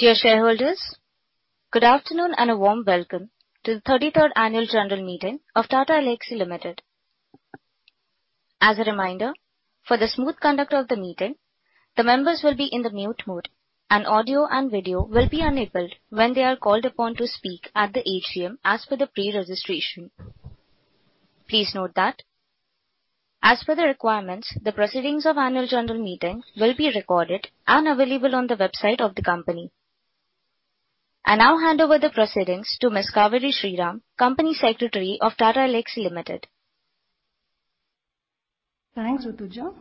Dear shareholders, good afternoon and a warm welcome to the 33rd annual general meeting of Tata Elxsi Limited. As a reminder, for the smooth conduct of the meeting, the members will be in the mute mode, and audio and video will be enabled when they are called upon to speak at the AGM as per the pre-registration. Please note that as per the requirements, the proceedings of annual general meeting will be recorded and available on the website of the company. I now hand over the proceedings to Ms. Cauveri Sriram, Company Secretary of Tata Elxsi Limited. Thanks, Thanuja.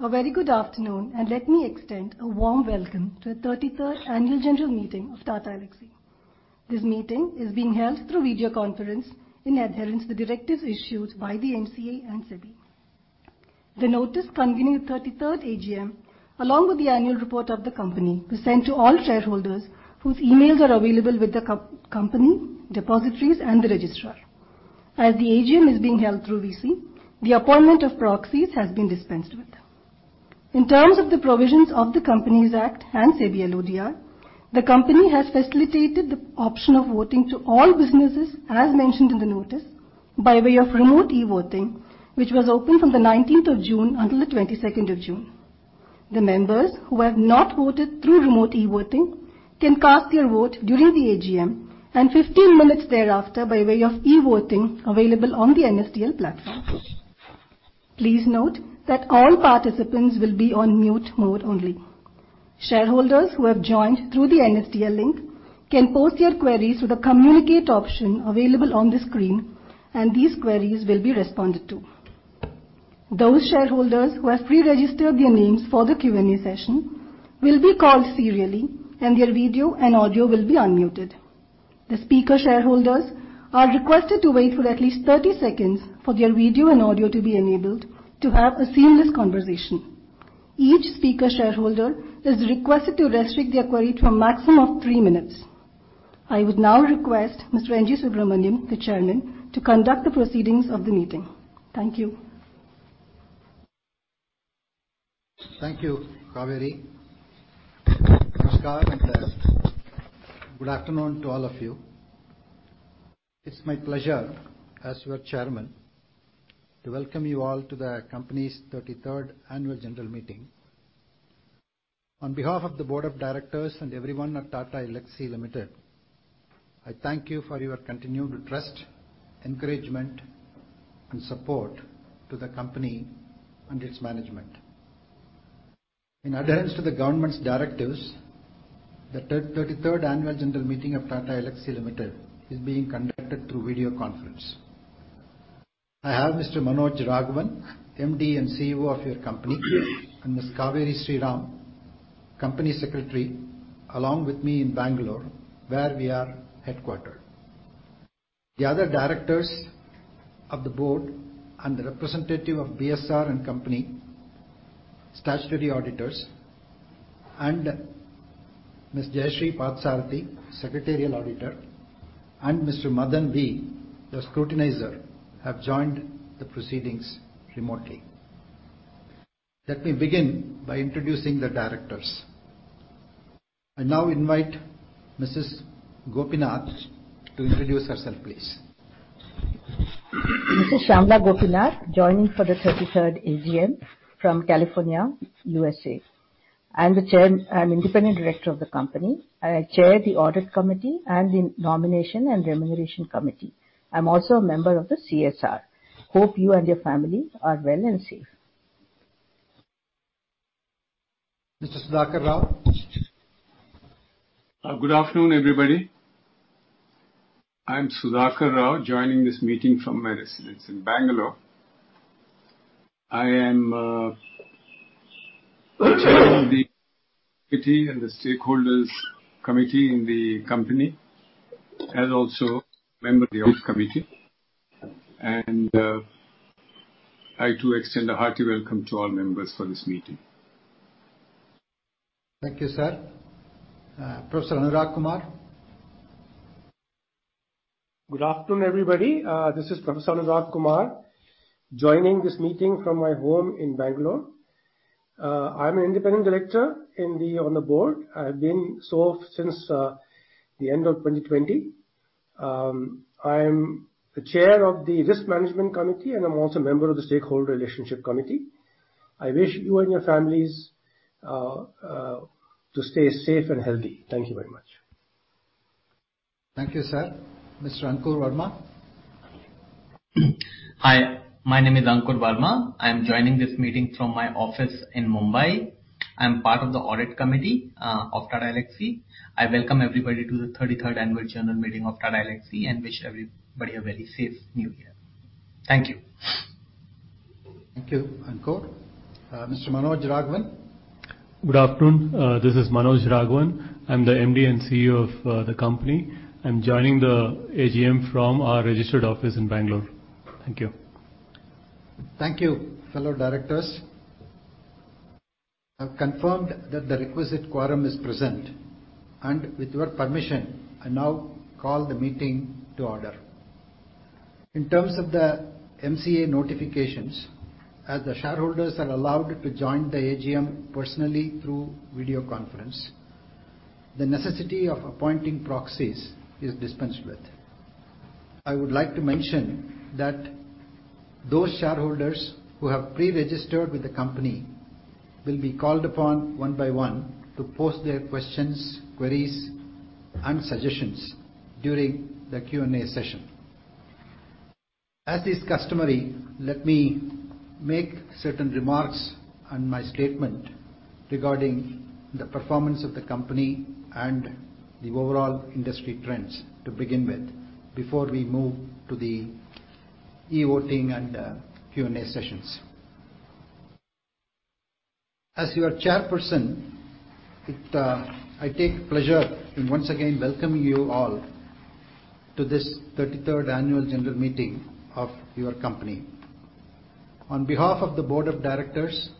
A very good afternoon, and let me extend a warm welcome to the 33rd annual general meeting of Tata Elxsi. This meeting is being held through video conference in adherence to the directives issued by the MCA and SEBI. The notice convening the 33rd AGM, along with the annual report of the company, was sent to all shareholders whose emails are available with the company, depositories, and the registrar. As the AGM is being held through VC, the appointment of proxies has been dispensed with. In terms of the provisions of the Companies Act and SEBI LODR, the company has facilitated the option of voting to all businesses as mentioned in the notice by way of remote e-voting, which was open from the 19th of June until the 22nd of June. The members who have not voted through remote e-voting can cast their vote during the AGM and 15 minutes thereafter by way of e-voting available on the NSDL platform. Please note that all participants will be on mute mode only. Shareholders who have joined through the NSDL link can post their queries with a communicate option available on the screen, and these queries will be responded to. Those shareholders who have pre-registered their names for the Q&A session will be called serially, and their video and audio will be unmuted. The speaker shareholders are requested to wait for at least 30 seconds for their video and audio to be enabled to have a seamless conversation. Each speaker shareholder is requested to restrict their query to a maximum of three minutes. I would now request Mr. N. Ganapathy Subramaniam, the Chairman, to conduct the proceedings of the meeting. Thank you. Thank you, Cauveri. Namaskar and good afternoon to all of you. It's my pleasure as your chairman to welcome you all to the company's 33rd annual general meeting. On behalf of the board of directors and everyone at Tata Elxsi Limited, I thank you for your continued trust, encouragement, and support to the company and its management. In adherence to the government's directives, the 33rd annual general meeting of Tata Elxsi Limited is being conducted through video conference. I have Mr. Manoj Raghavan, MD and CEO of your company, and Ms. Cauveri Sriram, Company Secretary, along with me in Bangalore, where we are headquartered. The other directors of the board and the representative of BSR & Company, statutory auditors, and Ms. Jayashree Parthasarathy, secretarial auditor, and Mr. V. Madan, the scrutinizer, have joined the proceedings remotely. Let me begin by introducing the directors. I now invite Mrs. Gopinath to introduce herself, please. This is Shyamala Gopinath joining for the 33rd AGM from California, USA. I'm an independent director of the company. I chair the audit committee and the nomination and remuneration committee. I'm also a member of the CSR. Hope you and your family are well and safe. Mr. Sudhakar Rao. Good afternoon, everybody. I'm Sudhakar Rao joining this meeting from my residence in Bangalore. I am the chair of the committee and the stakeholders committee in the company, as also member of the audit committee. I too extend a hearty welcome to all members for this meeting. Thank you, sir. Professor Anurag Kumar. Good afternoon, everybody. This is Professor Anurag Kumar joining this meeting from my home in Bangalore. I'm an independent director on the board. I've been so since the end of 2020. I'm the chair of the risk management committee, and I'm also a member of the stakeholder relationship committee. I wish you and your families to stay safe and healthy. Thank you very much. Thank you, sir. Mr. Ankur Verma. Hi, my name is Ankur Verma. I'm joining this meeting from my office in Mumbai. I'm part of the audit committee of Tata Elxsi. I welcome everybody to the 33rd annual general meeting of Tata Elxsi and wish everybody a very safe new year. Thank you. Thank you, Ankur. Mr. Manoj Raghavan. Good afternoon. This is Manoj Raghavan. I'm the MD and CEO of the company. I'm joining the AGM from our registered office in Bengaluru. Thank you. Thank you, fellow directors. I've confirmed that the requisite quorum is present, and with your permission, I now call the meeting to order. In terms of the MCA notifications, as the shareholders are allowed to join the AGM personally through video conference, the necessity of appointing proxies is dispensed with. I would like to mention that those shareholders who have pre-registered with the company will be called upon one by one to post their questions, queries, and suggestions during the Q&A session. As is customary, let me make certain remarks on my statement regarding the performance of the company and the overall industry trends to begin with before we move to the e-voting and Q&A sessions. As your chairperson, I take pleasure in once again welcoming you all to this 33rd annual general meeting of your company. On behalf of the board of directors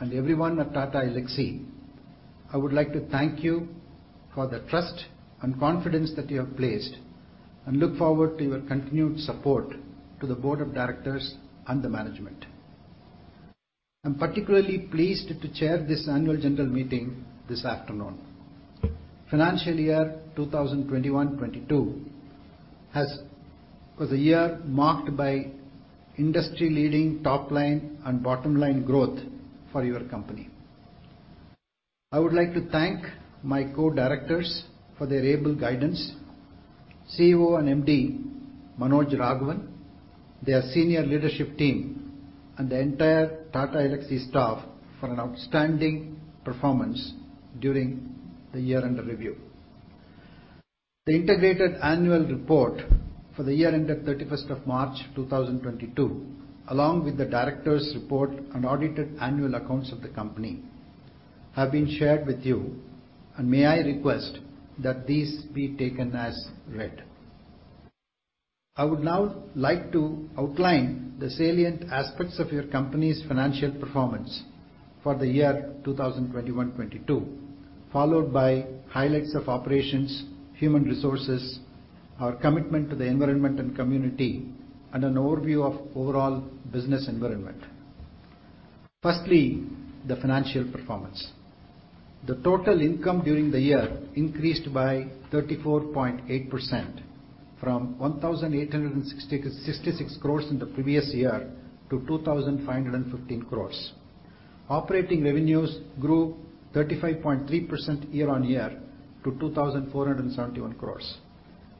and everyone at Tata Elxsi, I would like to thank you for the trust and confidence that you have placed and look forward to your continued support to the board of directors and the management. I'm particularly pleased to chair this annual general meeting this afternoon. Financial year 2021, 2022 was a year marked by industry-leading top line and bottom line growth for your company. I would like to thank my co-directors for their able guidance, CEO and MD, Manoj Raghavan, their senior leadership team, and the entire Tata Elxsi staff for an outstanding performance during the year under review. The integrated annual report for the year ended 31st of March 2022, along with the directors' report and audited annual accounts of the company, have been shared with you, and may I request that these be taken as read. I would now like to outline the salient aspects of your company's financial performance for the year 2021-2022, followed by highlights of operations, human resources, our commitment to the environment and community, and an overview of overall business environment. Firstly, the financial performance. The total income during the year increased by 34.8% from 1,866 crores in the previous year to 2,515 crores. Operating revenues grew 35.3% year-on-year to 2,471 crores.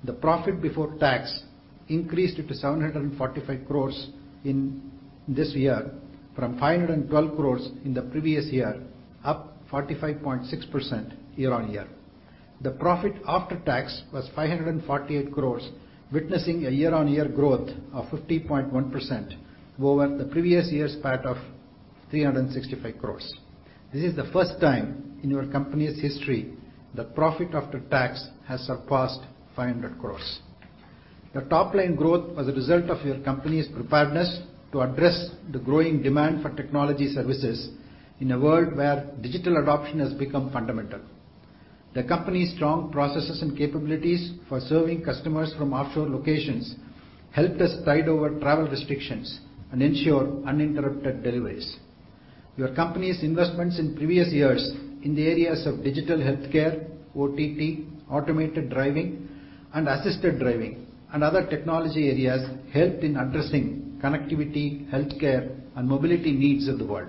The profit before tax increased to 745 crores in this year from 512 crores in the previous year, up 45.6% year-on-year. The profit after tax was 548 crores, witnessing a year-on-year growth of 50.1% over the previous year's PAT of 365 crores. This is the first time in your company's history that profit after tax has surpassed 500 crores. Your top-line growth was a result of your company's preparedness to address the growing demand for technology services in a world where digital adoption has become fundamental. The company's strong processes and capabilities for serving customers from offshore locations helped us tide over travel restrictions and ensure uninterrupted deliveries. Your company's investments in previous years in the areas of digital healthcare, OTT, autonomous driving, and assisted driving and other technology areas helped in addressing connectivity, healthcare, and mobility needs of the world.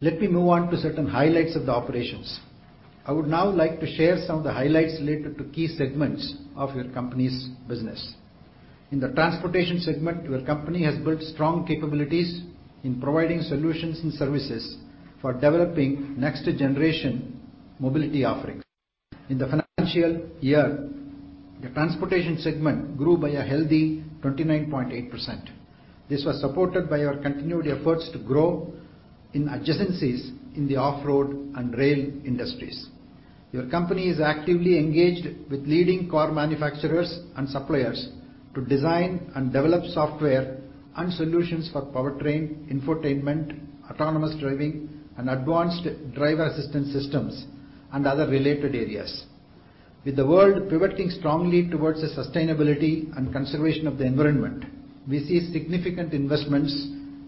Let me move on to certain highlights of the operations. I would now like to share some of the highlights related to key segments of your company's business. In the transportation segment, your company has built strong capabilities in providing solutions and services for developing next-generation mobility offerings. In the financial year, your transportation segment grew by a healthy 29.8%. This was supported by your continued efforts to grow in adjacencies in the off-road and rail industries. Your company is actively engaged with leading car manufacturers and suppliers to design and develop software and solutions for powertrain, infotainment, autonomous driving, and advanced driver assistance systems and other related areas. With the world pivoting strongly towards the sustainability and conservation of the environment, we see significant investments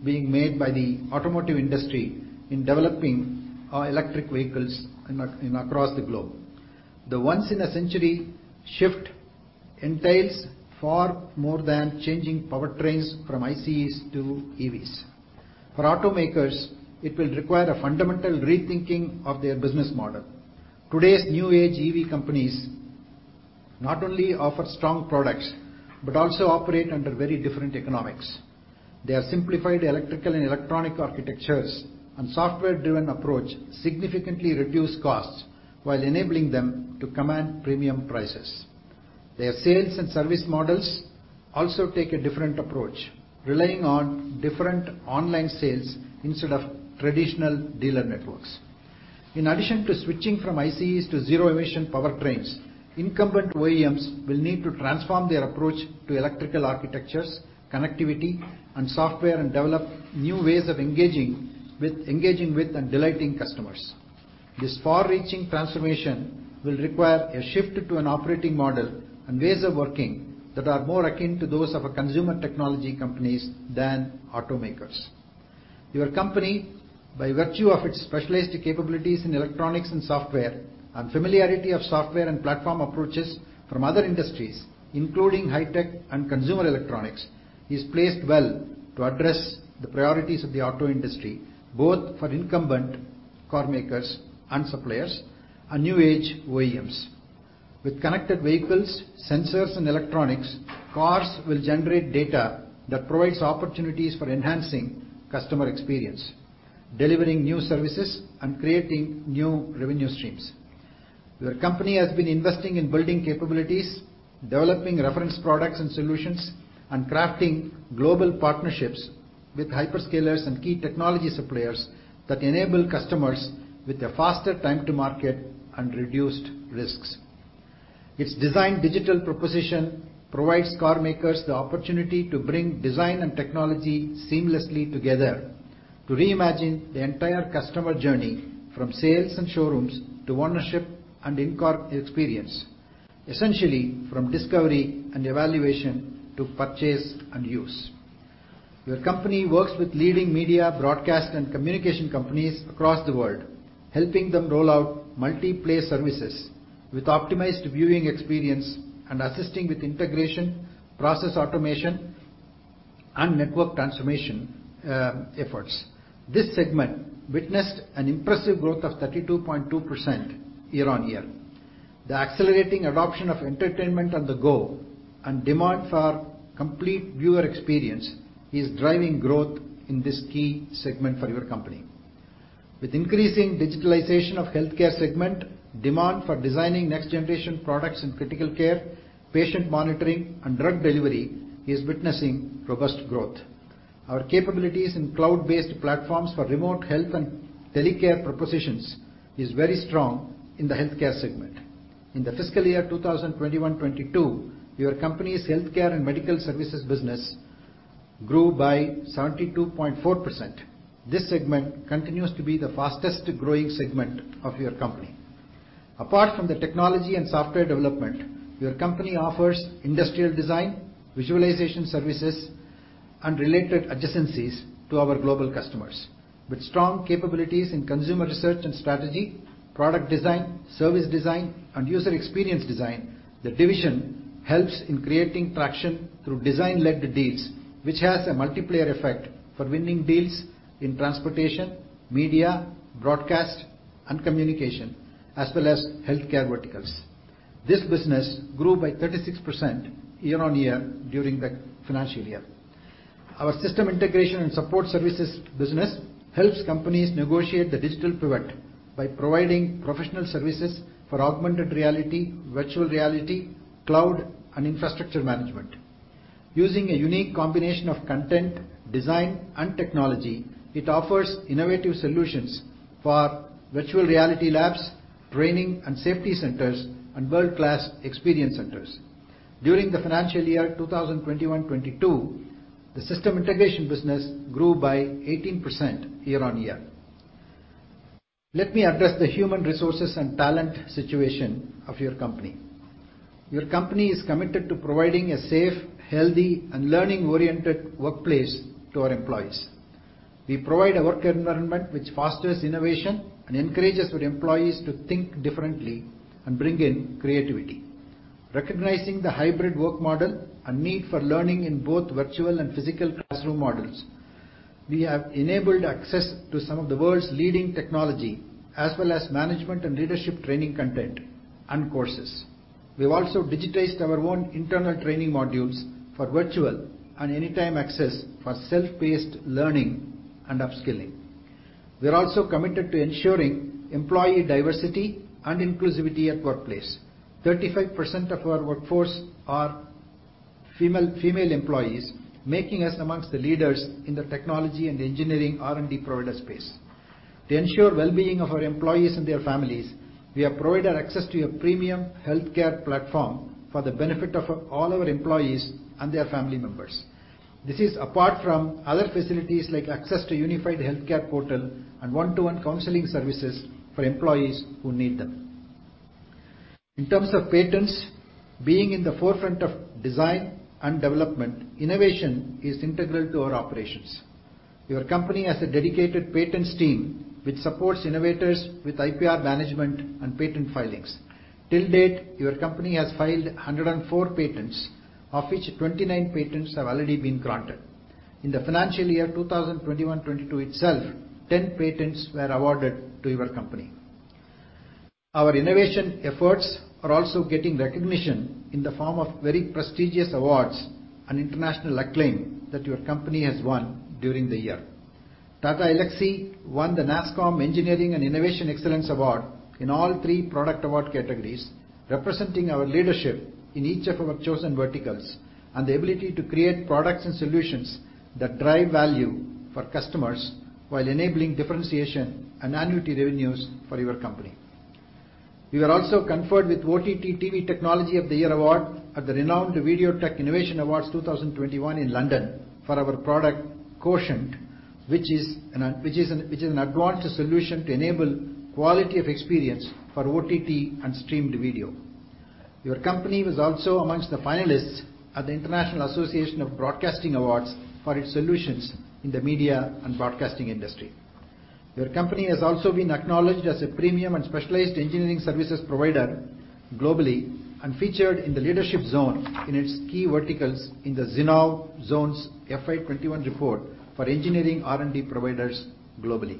being made by the automotive industry in developing electric vehicles across the globe. The once-in-a-century shift entails far more than changing powertrains from ICEs to EVs. For automakers, it will require a fundamental rethinking of their business model. Today's new age EV companies not only offer strong products but also operate under very different economics. Their simplified electrical and electronic architectures and software-driven approach significantly reduce costs while enabling them to command premium prices. Their sales and service models also take a different approach, relying on direct online sales instead of traditional dealer networks. In addition to switching from ICEs to zero-emission powertrains, incumbent OEMs will need to transform their approach to electrical architectures, connectivity, and software, and develop new ways of engaging with and delighting customers. This far-reaching transformation will require a shift to an operating model and ways of working that are more akin to those of a consumer technology companies than automakers. Your company, by virtue of its specialized capabilities in electronics and software and familiarity of software and platform approaches from other industries, including high-tech and consumer electronics, is placed well to address the priorities of the auto industry, both for incumbent car makers and suppliers and new age OEMs. With connected vehicles, sensors and electronics, cars will generate data that provides opportunities for enhancing customer experience, delivering new services, and creating new revenue streams. Your company has been investing in building capabilities, developing reference products and solutions, and crafting global partnerships with hyperscalers and key technology suppliers that enable customers with a faster time to market and reduced risks. Its design digital proposition provides car makers the opportunity to bring design and technology seamlessly together to reimagine the entire customer journey from sales and showrooms to ownership and in-car experience, essentially from discovery and evaluation to purchase and use. Your company works with leading media broadcast and communication companies across the world, helping them roll out multi-play services with optimized viewing experience and assisting with integration, process automation, and network transformation efforts. This segment witnessed an impressive growth of 32.2% year-on-year. The accelerating adoption of entertainment on the go and demand for complete viewer experience is driving growth in this key segment for your company. With increasing digitalization of healthcare segment, demand for designing next generation products in critical care, patient monitoring, and drug delivery is witnessing robust growth. Our capabilities in cloud-based platforms for remote health and telecare propositions is very strong in the healthcare segment. In the fiscal year 2021-2022, your company's healthcare and medical services business grew by 72.4%. This segment continues to be the fastest-growing segment of your company. Apart from the technology and software development, your company offers industrial design, visualization services, and related adjacencies to our global customers. With strong capabilities in consumer research and strategy, product design, service design, and user experience design, the division helps in creating traction through design-led deals, which has a multiplier effect for winning deals in transportation, media, broadcast, and communication, as well as healthcare verticals. This business grew by 36% year-over-year during the financial year. Our system integration and support services business helps companies negotiate the digital pivot by providing professional services for augmented reality, virtual reality, cloud, and infrastructure management. Using a unique combination of content, design, and technology, it offers innovative solutions for virtual reality labs, training and safety centers, and world-class experience centers. During the financial year 2021-2022, the system integration business grew by 18% year-over-year. Let me address the human resources and talent situation of your company. Your company is committed to providing a safe, healthy, and learning-oriented workplace to our employees. We provide a work environment which fosters innovation and encourages our employees to think differently and bring in creativity. Recognizing the hybrid work model and need for learning in both virtual and physical classroom models, we have enabled access to some of the world's leading technology as well as management and leadership training content and courses. We've also digitized our own internal training modules for virtual and anytime access for self-paced learning and upskilling. We are also committed to ensuring employee diversity and inclusivity at workplace. 35% of our workforce are female employees, making us among the leaders in the technology and engineering R&D provider space. To ensure well-being of our employees and their families, we have provided access to a premium healthcare platform for the benefit of all our employees and their family members. This is apart from other facilities like access to unified healthcare portal and one-to-one counseling services for employees who need them. In terms of patents, being in the forefront of design and development, innovation is integral to our operations. Your company has a dedicated patents team which supports innovators with IPR management and patent filings. Till date, your company has filed 104 patents, of which 29 patents have already been granted. In the financial year 2021-2022 itself, 10 patents were awarded to your company. Our innovation efforts are also getting recognition in the form of very prestigious awards and international acclaim that your company has won during the year. Tata Elxsi won the NASSCOM Engineering & Innovation Excellence Awards in all three product award categories, representing our leadership in each of our chosen verticals and the ability to create products and solutions that drive value for customers while enabling differentiation and annuity revenues for your company. We are also conferred with OTT TV Technology of the Year Award at the renowned VideoTech Innovation Awards 2021 in London for our product QoEtient, which is an advanced solution to enable quality of experience for OTT and streamed video. Your company was also amongst the finalists at the International Association of Broadcasting Manufacturers Awards for its solutions in the media and broadcasting industry. Your company has also been acknowledged as a premium and specialized engineering services provider globally and featured in the leadership zone in its key verticals in the Zinnov Zones FY21 report for engineering R&D providers globally.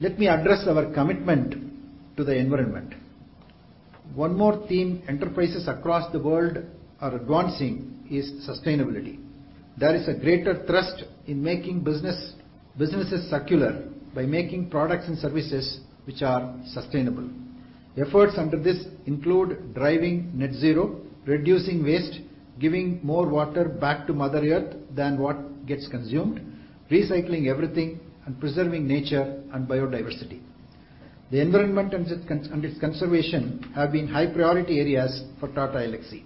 Let me address our commitment to the environment. One more theme enterprises across the world are advancing is sustainability. There is a greater thrust in making businesses circular by making products and services which are sustainable. Efforts under this include driving net zero, reducing waste, giving more water back to Mother Earth than what gets consumed, recycling everything, and preserving nature and biodiversity. The environment and its conservation have been high-priority areas for Tata Elxsi.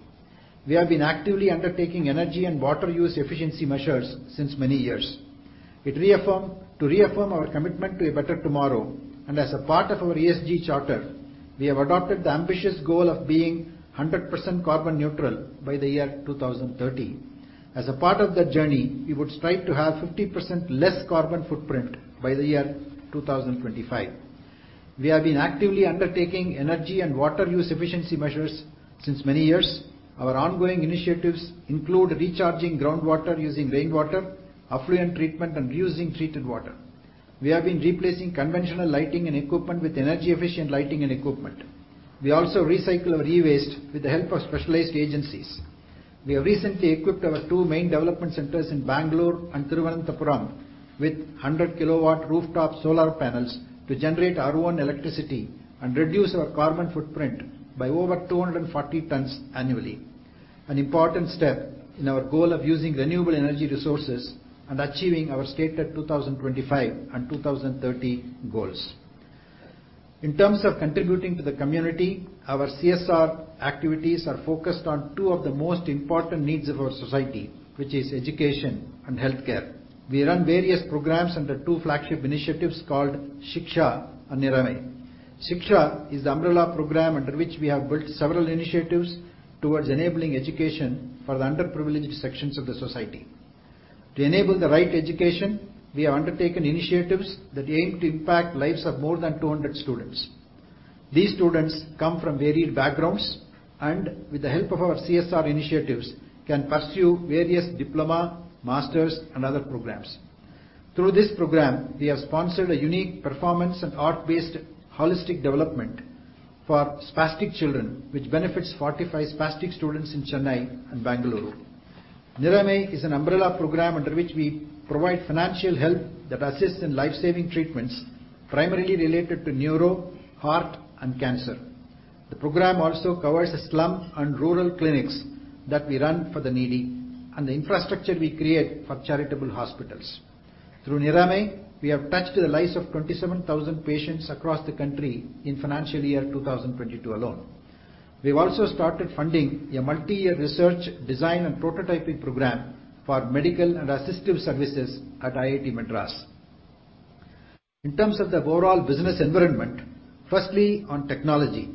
We have been actively undertaking energy and water use efficiency measures since many years. To reaffirm our commitment to a better tomorrow, and as a part of our ESG charter, we have adopted the ambitious goal of being 100% carbon neutral by the year 2030. As a part of that journey, we would strive to have 50% less carbon footprint by the year 2025. We have been actively undertaking energy and water use efficiency measures since many years. Our ongoing initiatives include recharging groundwater using rainwater, effluent treatment, and reusing treated water. We have been replacing conventional lighting and equipment with energy-efficient lighting and equipment. We also recycle our e-waste with the help of specialized agencies. We have recently equipped our two main development centers in Bangalore and Thiruvananthapuram with 100 kW rooftop solar panels to generate our own electricity and reduce our carbon footprint by over 240 tons annually, an important step in our goal of using renewable energy resources and achieving our stated 2025 and 2030 goals. In terms of contributing to the community, our CSR activities are focused on two of the most important needs of our society, which is education and healthcare. We run various programs under two flagship initiatives called Shiksha and Niramay. Shiksha is the umbrella program under which we have built several initiatives towards enabling education for the underprivileged sections of the society. To enable the right education, we have undertaken initiatives that aim to impact lives of more than 200 students. These students come from varied backgrounds, and with the help of our CSR initiatives, can pursue various diploma, master's, and other programs. Through this program, we have sponsored a unique performance and art-based holistic development for spastic children, which benefits 45 spastic students in Chennai and Bangalore. Niramay is an umbrella program under which we provide financial help that assists in life-saving treatments, primarily related to neuro, heart, and cancer. The program also covers the slum and rural clinics that we run for the needy and the infrastructure we create for charitable hospitals. Through Niramay, we have touched the lives of 27,000 patients across the country in financial year 2022 alone. We have also started funding a multi-year research, design and prototyping program for medical and assistive services at IIT Madras. In terms of the overall business environment, firstly on technology.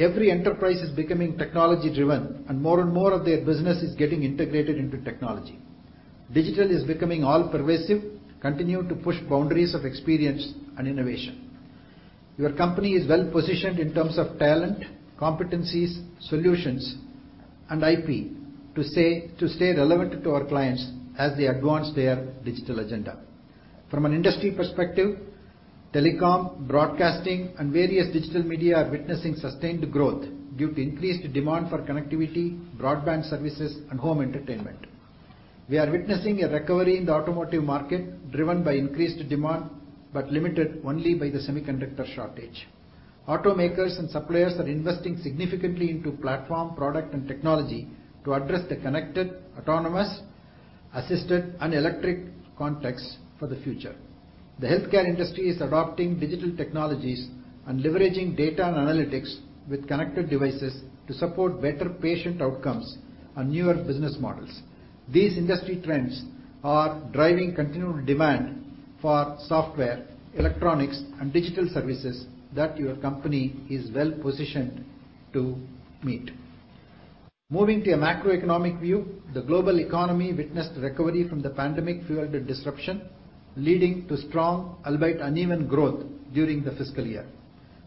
Every enterprise is becoming technology-driven and more and more of their business is getting integrated into technology. Digital is becoming all-pervasive, continue to push boundaries of experience and innovation. Your company is well positioned in terms of talent, competencies, solutions, and IP to say, to stay relevant to our clients as they advance their digital agenda. From an industry perspective, telecom, broadcasting, and various digital media are witnessing sustained growth due to increased demand for connectivity, broadband services, and home entertainment. We are witnessing a recovery in the automotive market driven by increased demand, but limited only by the semiconductor shortage. Automakers and suppliers are investing significantly into platform, product, and technology to address the connected, autonomous, assisted, and electric context for the future. The healthcare industry is adopting digital technologies and leveraging data and analytics with connected devices to support better patient outcomes and newer business models. These industry trends are driving continual demand for software, electronics, and digital services that your company is well positioned to meet. Moving to a macroeconomic view, the global economy witnessed recovery from the pandemic-fueled disruption, leading to strong albeit uneven growth during the fiscal year.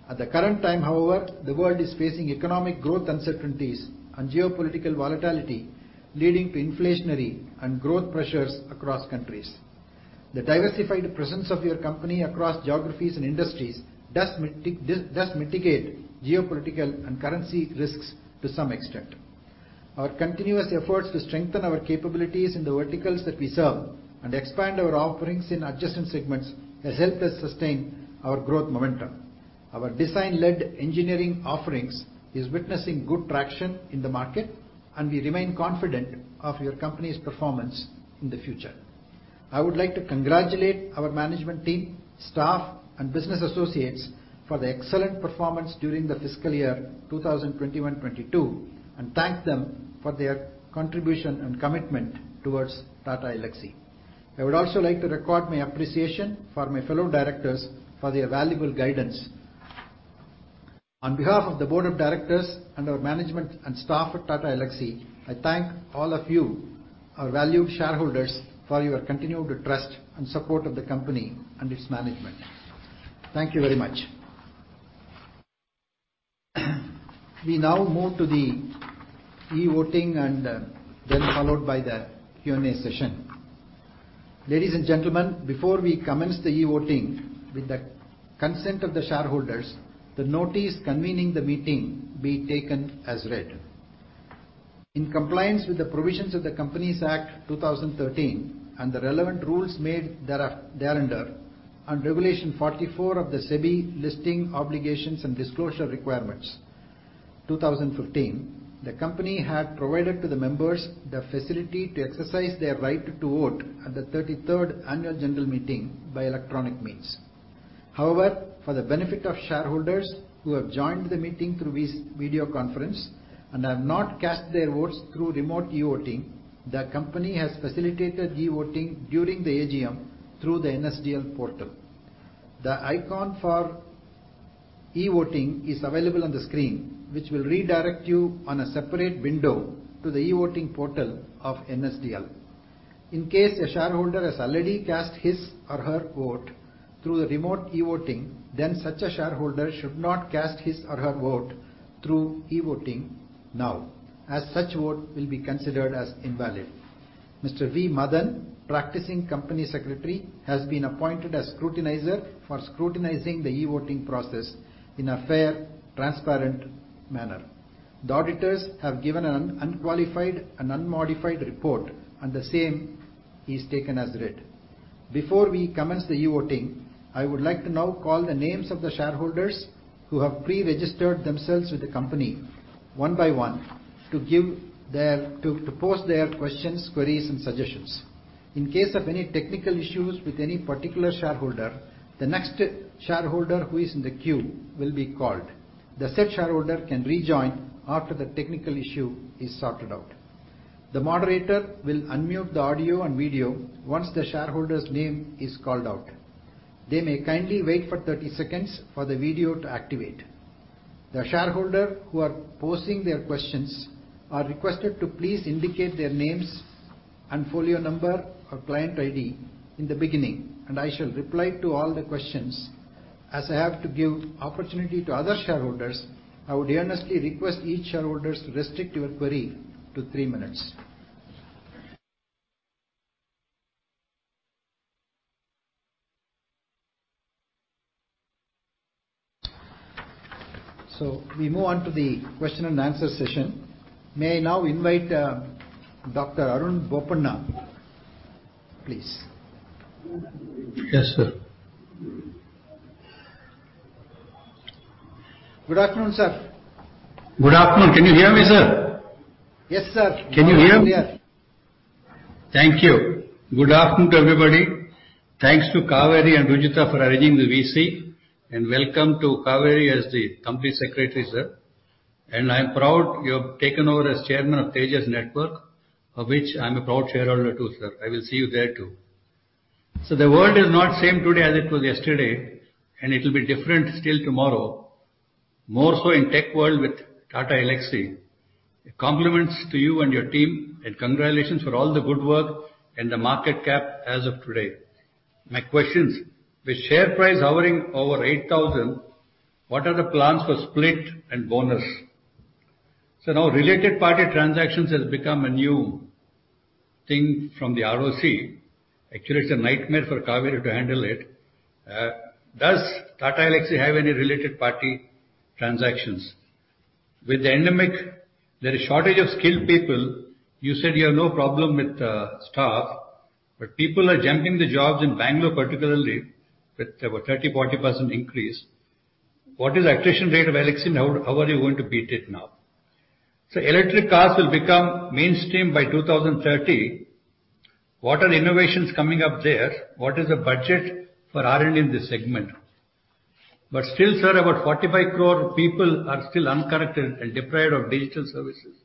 At the current time, however, the world is facing economic growth uncertainties and geopolitical volatility, leading to inflationary and growth pressures across countries. The diversified presence of your company across geographies and industries does mitigate geopolitical and currency risks to some extent. Our continuous efforts to strengthen our capabilities in the verticals that we serve and expand our offerings in adjacent segments has helped us sustain our growth momentum. Our design-led engineering offerings is witnessing good traction in the market, and we remain confident of your company's performance in the future. I would like to congratulate our management team, staff, and business associates for their excellent performance during the fiscal year 2021-2022, and thank them for their contribution and commitment towards Tata Elxsi. I would also like to record my appreciation for my fellow directors for their valuable guidance. On behalf of the board of directors and our management and staff at Tata Elxsi, I thank all of you, our valued shareholders, for your continued trust and support of the company and its management. Thank you very much. We now move to the e-voting and then followed by the Q&A session. Ladies and gentlemen, before we commence the e-voting, with the consent of the shareholders, the notice convening the meeting be taken as read. In compliance with the provisions of the Companies Act, 2013 and the relevant rules made thereunder, and Regulation 44 of the SEBI (Listing Obligations and Disclosure Requirements) Regulations, 2015, the company had provided to the members the facility to exercise their right to vote at the 33rd annual general meeting by electronic means. However, for the benefit of shareholders who have joined the meeting through video conference and have not cast their votes through remote e-voting, the company has facilitated e-voting during the AGM through the NSDL portal. The icon for e-voting is available on the screen, which will redirect you on a separate window to the e-voting portal of NSDL. In case a shareholder has already cast his or her vote through the remote e-voting, then such a shareholder should not cast his or her vote through e-voting now, as such vote will be considered as invalid. Mr. V. Madan, Practicing Company Secretary, has been appointed as scrutinizer for scrutinizing the e-voting process in a fair, transparent manner. The auditors have given an unqualified and unmodified report, and the same is taken as read. Before we commence the e-voting, I would like to now call the names of the shareholders who have pre-registered themselves with the company one by one to pose their questions, queries, and suggestions. In case of any technical issues with any particular shareholder, the next shareholder who is in the queue will be called. The said shareholder can rejoin after the technical issue is sorted out. The moderator will unmute the audio and video once the shareholder's name is called out. They may kindly wait for 30 seconds for the video to activate. The shareholders who are posing their questions are requested to please indicate their names and folio number or client ID in the beginning, and I shall reply to all the questions. As I have to give opportunity to other shareholders, I would earnestly request each shareholder to restrict your query to three minutes. We move on to the question and answer session. May I now invite Dr. Arunkumar Boppana, please. Yes, sir. Good afternoon, sir. Good afternoon. Can you hear me, sir? Yes, sir. Can you hear me? Yes. Thank you. Good afternoon to everybody. Thanks to Cauveri and Rituja for arranging the VC, and welcome to Cauveri as the company secretary, sir. I am proud you have taken over as chairman of Tejas Networks, of which I'm a proud shareholder too, sir. I will see you there too. The world is not same today as it was yesterday, and it will be different still tomorrow, more so in tech world with Tata Elxsi. Compliments to you and your team, and congratulations for all the good work and the market cap as of today. My questions: With share price hovering over 8,000, what are the plans for split and bonus? Now related party transactions has become a new thing from the ROC. Actually, it's a nightmare for Cauveri to handle it. Does Tata Elxsi have any related party transactions? With the pandemic, there is shortage of skilled people. You said you have no problem with staff, but people are jumping jobs in Bangalore, particularly with over 30%-40% increase. What is attrition rate of Elxsi and how are you going to beat it now? Electric cars will become mainstream by 2030. What are innovations coming up there? What is the budget for R&D in this segment? Still, sir, about 45 crore people are still unconnected and deprived of digital services.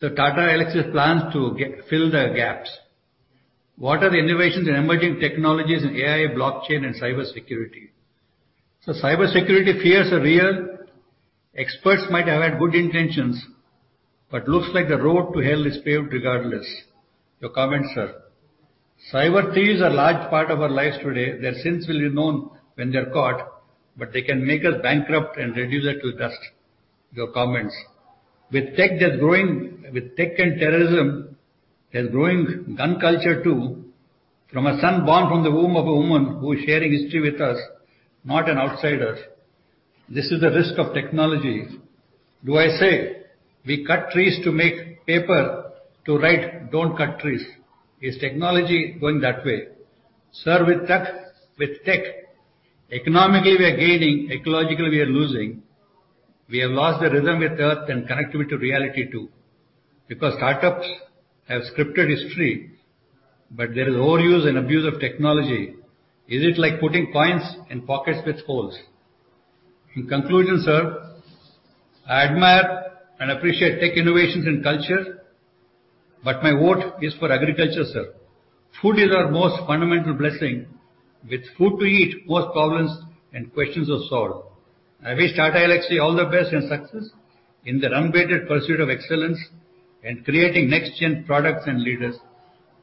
Tata Elxsi plans to fill the gaps. What are the innovations in emerging technologies in AI, blockchain, and cybersecurity? Cybersecurity fears are real. Experts might have had good intentions, but it looks like the road to hell is paved regardless. Your comments, sir. Cyber threats are a large part of our lives today. Their sins will be known when they're caught, but they can make us bankrupt and reduce us to dust. Your comments. With tech that's growing. With tech and terrorism, there's growing gun culture too, from a son born from the womb of a woman who is sharing history with us, not an outsider. This is the risk of technology. Do I say we cut trees to make paper to write "Don't cut trees"? Is technology going that way? Sir, with tech, economically we are gaining, ecologically we are losing. We have lost the rhythm with earth and connectivity to reality too because startups have scripted history. There is overuse and abuse of technology. Is it like putting coins in pockets with holes? In conclusion, sir, I admire and appreciate tech innovations and culture. My vote is for agriculture, sir. Food is our most fundamental blessing. With food to eat, most problems and questions are solved. I wish Tata Elxsi all the best and success in their unabated pursuit of excellence and creating next gen products and leaders.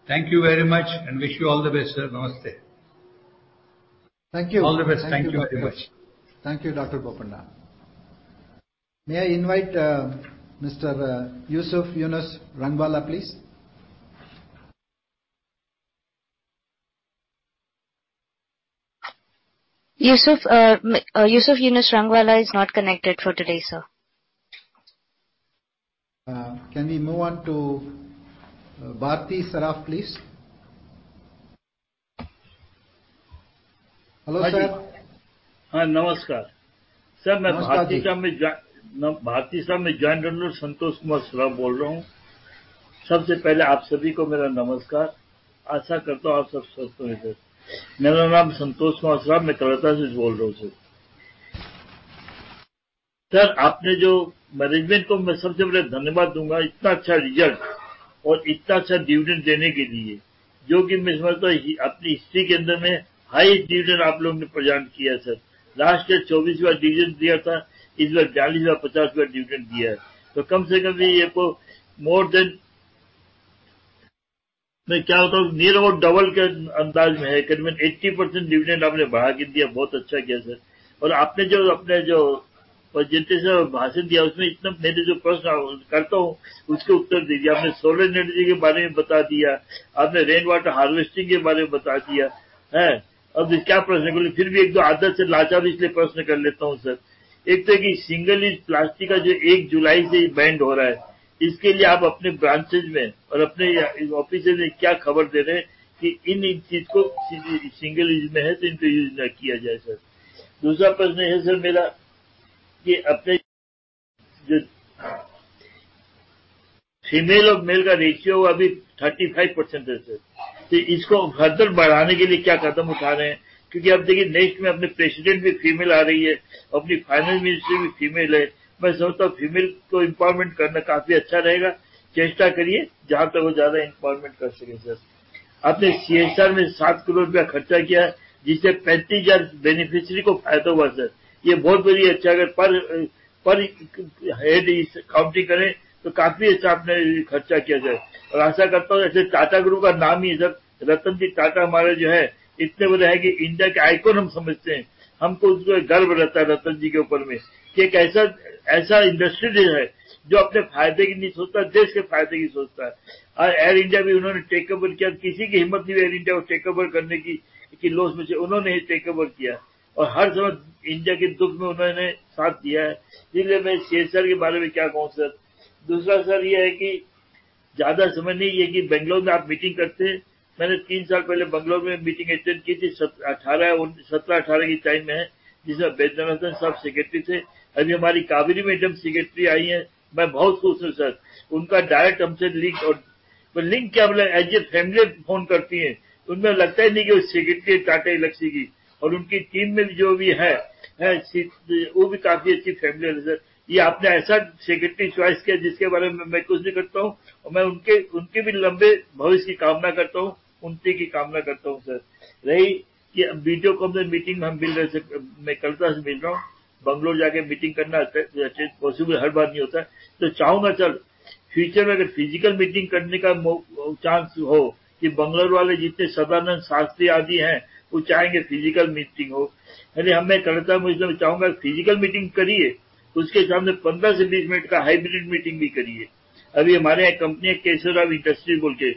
Thank you very much and wish you all the best sir. Namaste. Thank you. All the best. Thank you very much. Thank you, Dr. Boppana. May I invite Mr. Yusuf Yunus Rangwala, please. Yusuf Yunus Rangwala is not connected for today, sir. Can we move on to Bharti Saraf, please? Hello, sir. नमस्कार sir, मैं भारती साराफ में join कर रहा हूं। संतोष कुमार सराफ बोल रहा हूं। सबसे पहले आप सभी को मेरा नमस्कार। आशा करता हूं आप सब स्वस्थ होंगे। मेरा नाम संतोष कुमार सराफ, मैं कलकत्ता से बोल रहा हूं sir. Sir, management को मैं सबसे पहले धन्यवाद दूंगा इतना अच्छा result और इतना अच्छा dividend देने के लिए, जो कि मैं समझता हूं अपनी history के अंदर में highest dividend आप लोगों ने present किया sir. Last year 24 बार dividend दिया था। इस बार 42 बार, 50 बार dividend दिया है तो कम से कम ये तो more than... मैं क्या बताऊं, near about double के अंदाज में है। at least 80% dividend आपने बढ़ा के दिया। बहुत अच्छा किया sir और आपने जो अपने जो presentation और भाषण दिया उसमें इतना मैंने जो प्रश्न करता हूं उसका उत्तर दे दिया। आपने solar energy के बारे में बता दिया। आपने rainwater harvesting के बारे में बता दिया। अब क्या प्रश्न करें? फिर भी एक दो आदत से लाचार इसलिए प्रश्न कर लेता हूं sir. एक तो ये single use plastic का जो 1 जुलाई से ban हो रहा है, इसके लिए आप अपने branches में और अपने offices में क्या खबर दे रहे हैं कि इन इन चीजों को single use में है तो इनको use ना किया जाए sir. दूसरा प्रश्न है sir मेरा कि अपने जो female और male का ratio अभी 35% है sir. तो इसको further बढ़ाने के लिए क्या कदम उठा रहे हैं? क्योंकि आप देखिए next में अपने President भी female आ रही है। अपनी Finance Minister भी female है। मैं समझता हूं female को empowerment करना काफी अच्छा रहेगा। चेष्टा करिए जहां तक वो ज्यादा empowerment कर सकें sir. आपने CSR में ₹7 करोड़ खर्चा किया है, जिससे 35,000 beneficiary को फायदा हुआ sir. यह बहुत बड़ी अच्छा, अगर per head counting करें तो काफी अच्छा आपने खर्चा किया, sir। आशा करता हूं ऐसे Tata Group का नाम ही, sir, Ratan Tata हमारे जो हैं, इतने बड़े हैं कि India के icon हम समझते हैं। हमको उस पर गर्व रहता है Ratanji के ऊपर में कि एक ऐसा industry है जो अपने फायदे की नहीं सोचता, देश के फायदे की सोचता है। Air India भी उन्होंने takeover किया। किसी की हिम्मत नहीं रही Air India को takeover करने की, कि loss में से उन्होंने ही takeover किया और हर समय India के दुख में उन्होंने साथ दिया है। इसलिए मैं CSR के बारे में क्या कहूं, sir। दूसरा, sir, यह है कि ज्यादा समय नहीं है कि Bangalore में आप meeting करते हैं। मैंने तीन साल पहले Bangalore में meeting attend की थी, 2017-18 के time में, जिसमें G. Vaidyanathan sir Secretary थे। अभी हमारी Cauveri madam Secretary आई हैं। मैं बहुत खुश हूं sir. उनका direct हमसे link और link क्या मतलब as a family phone करती हैं। उनमें लगता ही नहीं कि वो Secretary है Tata Elxsi की और उनकी team में जो भी है वो भी काफी अच्छी family है sir. ये आपने ऐसा Secretary choice किया जिसके बारे में मैं कुछ नहीं कहता हूं और मैं उनके उनके भी लंबे भविष्य की कामना करता हूं। उन्नति की कामना करता हूं sir. रही video conference meeting में हम मिल रहे से मैं कर ता से मिल रहा हूं। Bangalore जाकर meeting करना possible हर बार नहीं होता तो चाहूंगा sir future में अगर physical meeting करने का chance हो कि Bangalore वाले जितने Sadanand Shastri आदि हैं, वो चाहेंगे physical meeting हो। अभी हम लोग चाहूंगा physical meeting करिए। उसके सामने 15 से 20 minute का hybrid meeting भी करिए। अभी हमारे company Kesoram Industries बोलके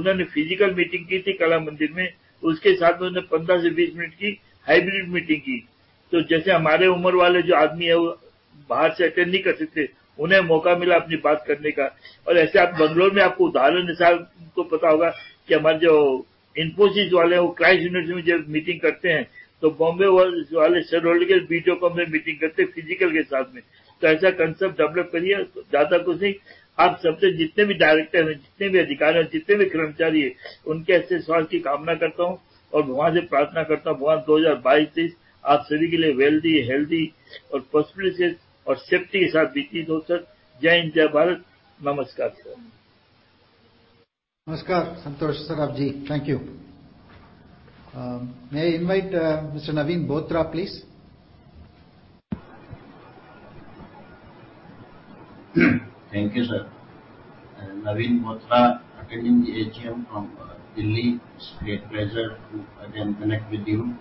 उन्होंने physical meeting की थी Kala Mandir में। उसके साथ में उन्होंने 15 से 20 minute की hybrid meeting की। तो जैसे हमारे उम्र वाले जो आदमी हैं वो बाहर से attend नहीं कर सकते थे। उन्हें मौका मिला अपनी बात करने का और ऐसे आप Bangalore में आपको उदाहरण के साथ तो पता होगा कि हमारे जो Infosys वाले हैं वो Christ University में जब meeting करते हैं तो Bombay वाले shareholder video conference meeting करते हैं physical के साथ में। तो ऐसा concept develop करिए। ज्यादा कुछ नहीं। आप सबसे जितने भी Director हैं, जितने भी अधिकारी हैं, जितने भी कर्मचारी हैं उनकी अच्छे स्वास्थ्य की कामना करता हूं और भगवान से प्रार्थना करता हूं। भगवान 2022-23 आप सभी के लिए wealthy, healthy और prosperous और safety के साथ बीतती हो sir. जय हिंद जय भारत। नमस्कार sir. Namaskar, Santosh Kumar Saraf ji. Thank you. May I invite Mr. Naveen Bothra, please. Thank you, sir. Naveen Bothra attending the AGM from Delhi. It's a great pleasure to again connect with you.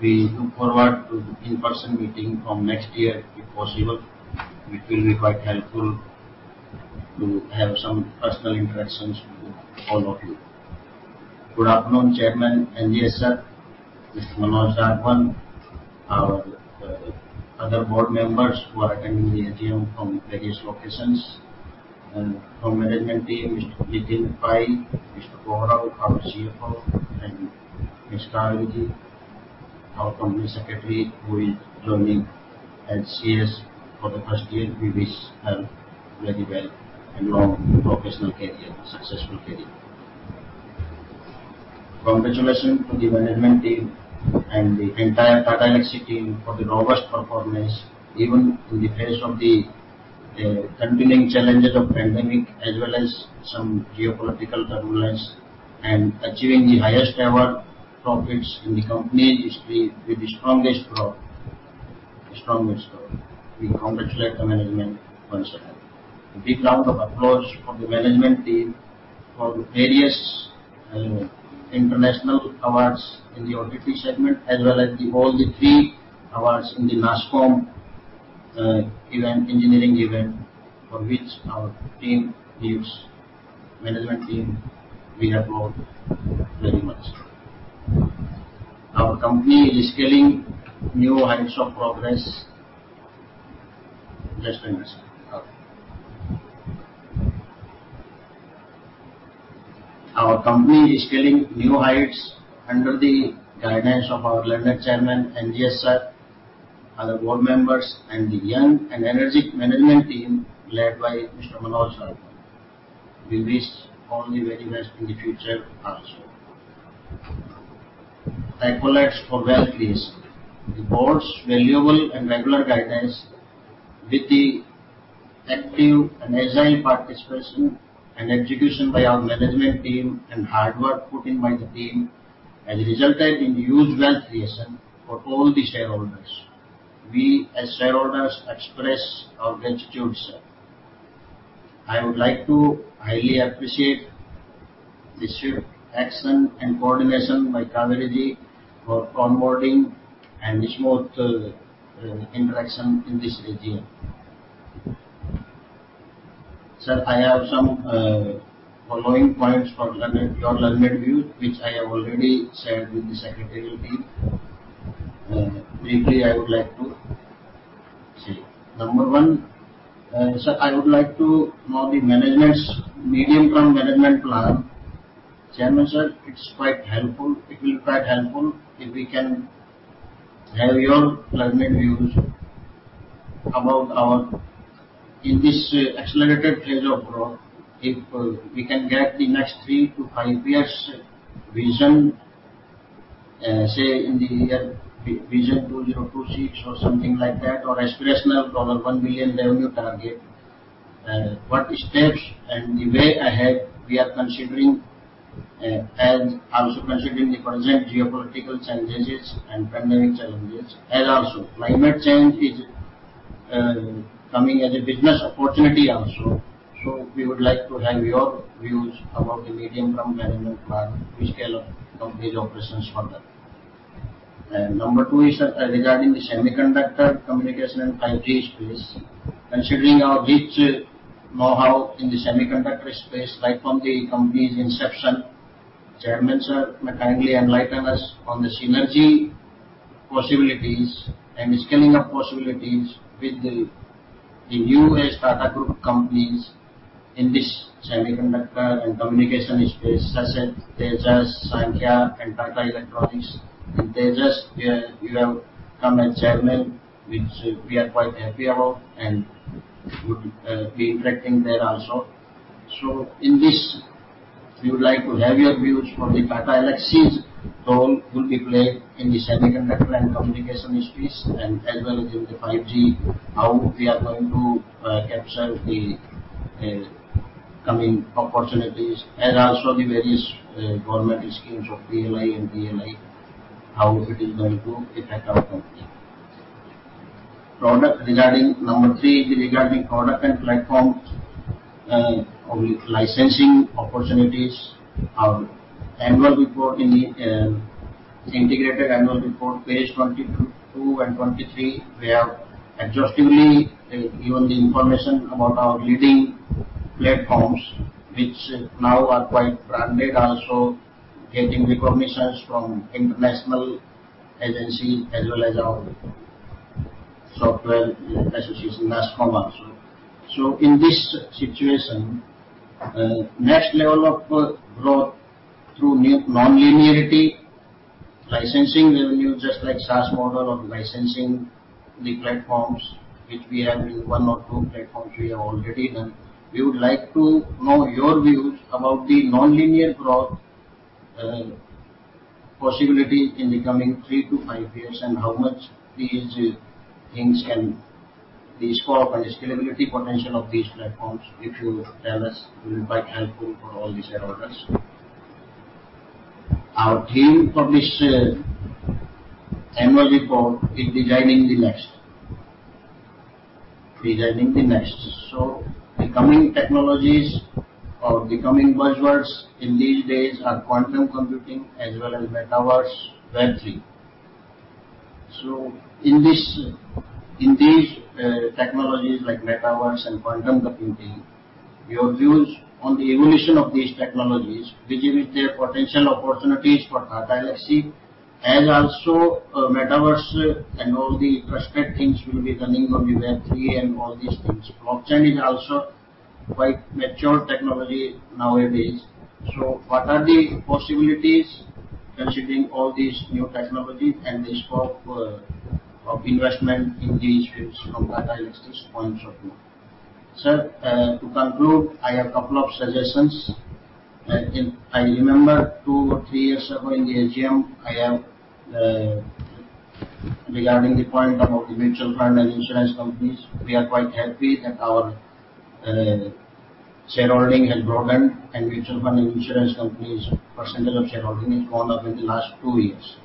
We look forward to the in-person meeting from next year, if possible. It will be quite helpful to have some personal interactions with all of you. Good afternoon, Chairman NGSR, Mr. Manoj Raghavan, our other board members who are attending the AGM from various locations. From management team, Mr. Nitin Pai, Mr. Gaurav, our CFO, and Ms. Cauveri, our company secretary, who is joining as CS for the first year. We wish her very well and long professional career, successful career. Congratulations to the management team and the entire Tata Elxsi team for the robust performance, even in the face of the continuing challenges of pandemic as well as some geopolitical turbulence. Achieving the highest ever profits in the company history with the strongest growth. We congratulate the management once again. A big round of applause for the management team for the various international awards in the OTT segment, as well as all the three awards in the NASSCOM engineering event, for which our team gives management team we applaud very much. Our company is scaling new heights of progress. Just a minute, sir. Okay. Our company is scaling new heights under the guidance of our learned chairman, MGS sir, other board members, and the young and energetic management team led by Mr. Manoj Raghavan. We wish all the very best in the future also. Accolades for wealth creation. The board's valuable and regular guidance with the active and agile participation and execution by our management team and hard work put in by the team has resulted in huge wealth creation for all the shareholders. We, as shareholders, express our gratitude, sir. I would like to highly appreciate the swift action and coordination by Cauveri for onboarding and the smooth interaction in this AGM. Sir, I have some following points for your learned views, which I have already shared with the secretarial team. Briefly, I would like to say. Number one, sir, I would like to know the management's medium-term management plan. Chairman, sir, it will be quite helpful if we can have your learned views about our in this accelerated phase of growth, if we can get the next three-five years vision, say in the year vision 2026 or something like that, or aspirational $1 billion revenue target. What steps and the way ahead we are considering, and also considering the present geopolitical challenges and pandemic challenges. Also climate change is coming as a business opportunity also. We would like to have your views about the medium-term management plan to scale up company's operations further. Number two is regarding the semiconductor communication and 5G space. Considering our rich know-how in the semiconductor space right from the company's inception, Chairman, sir, may kindly enlighten us on the synergy possibilities and scaling up possibilities with the US Tata Group of companies in this semiconductor and communication space, such as Tejas, Saankhya, and Tata Electronics. In Tejas, you have come as chairman, which we are quite happy about and would be interacting there also. We would like to have your views for the Tata Elxsi's role will be played in the semiconductor and communication space and as well as in the 5G, how we are going to capture the coming opportunities and also the various government schemes of DLI and PLI, how it is going to affect our company. Number three is regarding product and platforms, only licensing opportunities. Our annual report in the integrated annual report, page 22 and 23, we have exhaustively given the information about our leading platforms, which now are quite branded, also getting recognitions from international agency as well as our software association, NASSCOM, also. In this situation, next level of growth through nonlinearity licensing revenue, just like SaaS model of licensing the platforms which we have, one or two platforms we have already done. We would like to know your views about the nonlinear growth possibility in the coming three to five years, and how much these things can be scoped and scalability potential of these platforms. If you tell us, it will be quite helpful for all the shareholders. Our theme for this annual report is designing the next. The coming technologies or the coming buzzwords in these days are quantum computing as well as metaverse, Web3. In these technologies like metaverse and quantum computing, your views on the evolution of these technologies vis-a-vis their potential opportunities for Tata Elxsi. Also, Metaverse and all the prospect things will be running on the Web3 and all these things. Blockchain is also quite mature technology nowadays. What are the possibilities considering all these new technology and the scope of investment in these fields from data analytics points of view? Sir, to conclude, I have a couple of suggestions. I remember two or three years ago in the AGM. I have, regarding the point about the mutual fund and insurance companies, we are quite happy that our shareholding has grown, and mutual fund and insurance companies' percentage of shareholding has gone up in the last two years.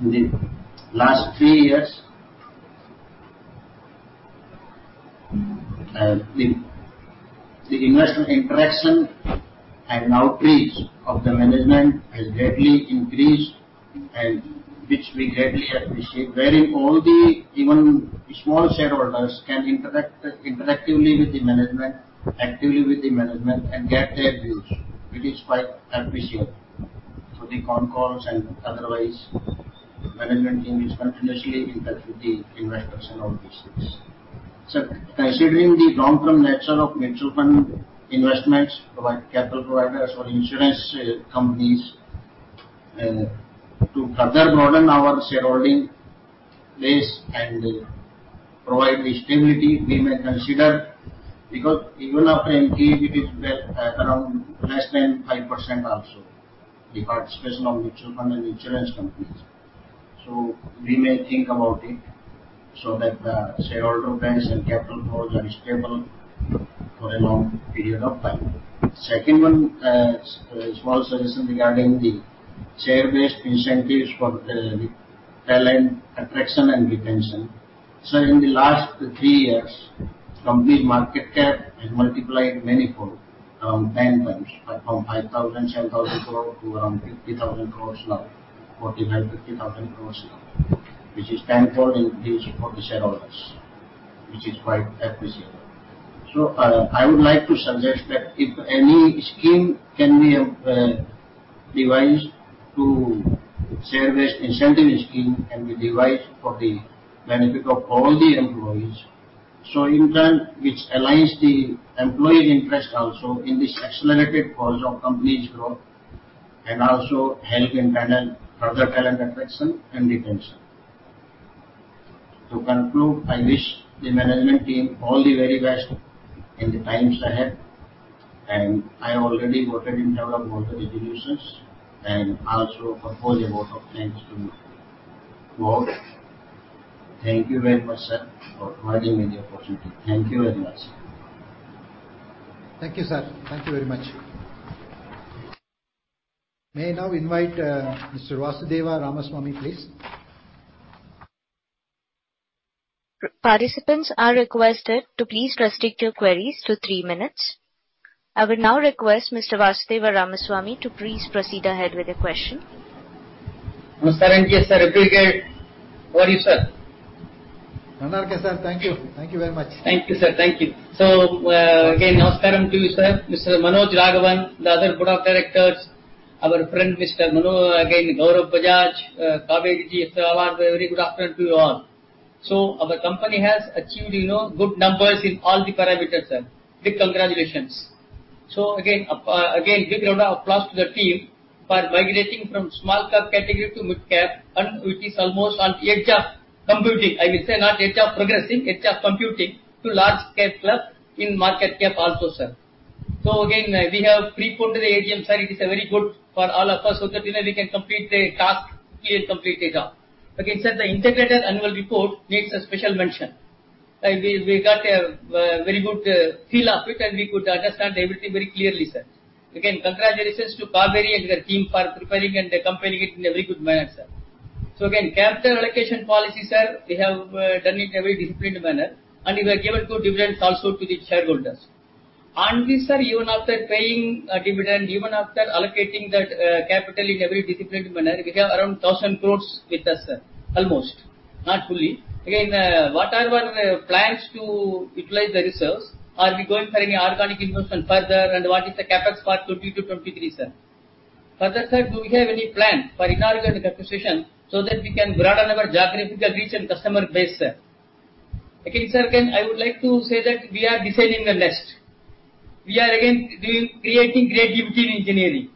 In the last three years, the investor interaction and outreach of the management has greatly increased, and which we greatly appreciate, wherein all the even small shareholders can interact interactively with the management and get their views. It is quite appreciable. Through the con calls and otherwise, management team is continuously in touch with the investors and all these things. Considering the long-term nature of mutual fund investments provide capital providers or insurance, companies, to further broaden our shareholding base and, provide stability, we may consider, because even after MP it is around less than 5% also, the participation of mutual fund and insurance companies. We may think about it so that, shareholder base and capital pool are stable for a long period of time. Second one, small suggestion regarding the share-based incentives for, the talent attraction and retention. Sir, in the last three years, company market cap has multiplied manifold, around 10 times, from 5,000-10,000 crore to around 50,000 crore now, 49,000-50,000 crore now, which is tenfold increase for the shareholders, which is quite appreciable. I would like to suggest that if any scheme can be devised to share this incentive for the benefit of all the employees, so in turn which aligns the employees' interest also in this accelerated course of company's growth and also help in talent, further talent attraction and retention. To conclude, I wish the management team all the very best in the times ahead, and I already voted in favor of both the resolutions and I also propose a vote of thanks to move. Thank you very much, sir, for providing me the opportunity. Thank you very much. Thank you, sir. Thank you very much. May I now invite, Mr. Vasudeva Ramaswamy, please. Participants are requested to please restrict your queries to three minutes. I will now request Mr. Vasudeva Ramaswamy to please proceed ahead with your question. Namaskaram, sir. How are you, sir? Namaskaram, thank you. Thank you very much. Thank you, sir. Thank you. Again, namaskaram to you, sir. Mr. Manoj Raghavan, the other board of directors, our friend Mr. Manu, again, Gaurav Bajaj, Cauveri ji. Sir, a very good afternoon to you all. Our company has achieved, you know, good numbers in all the parameters, sir. Big congratulations. Again, big round of applause to the team for migrating from small cap category to mid cap, and it is almost on edge of becoming. I will say not edge of progressing, edge of becoming to large cap club in market cap also, sir. Again, we have pre-booked the AGM, sir. It is a very good for all of us so that, you know, we can complete the task, complete the job. Again, sir, the integrated annual report needs a special mention. We got a very good feel of it, and we could understand everything very clearly, sir. Again, congratulations to Kaveri and her team for preparing and compiling it in a very good manner, sir. Again, capital allocation policy, sir, we have done it in a very disciplined manner. You have given good dividends also to the shareholders. We, sir, even after paying dividend, even after allocating that capital in a very disciplined manner, we have around 1,000 crores with us, sir. Almost. Not fully. Again, what are our plans to utilize the reserves? Are we going for any organic investment further? What is the CapEx for 2020-2023, sir? Further, sir, do we have any plan for inorganic acquisition so that we can broaden our geographical reach and customer base, sir? Again, sir, I would like to say that we are deciding the next. We are again doing, creating great utility engineering.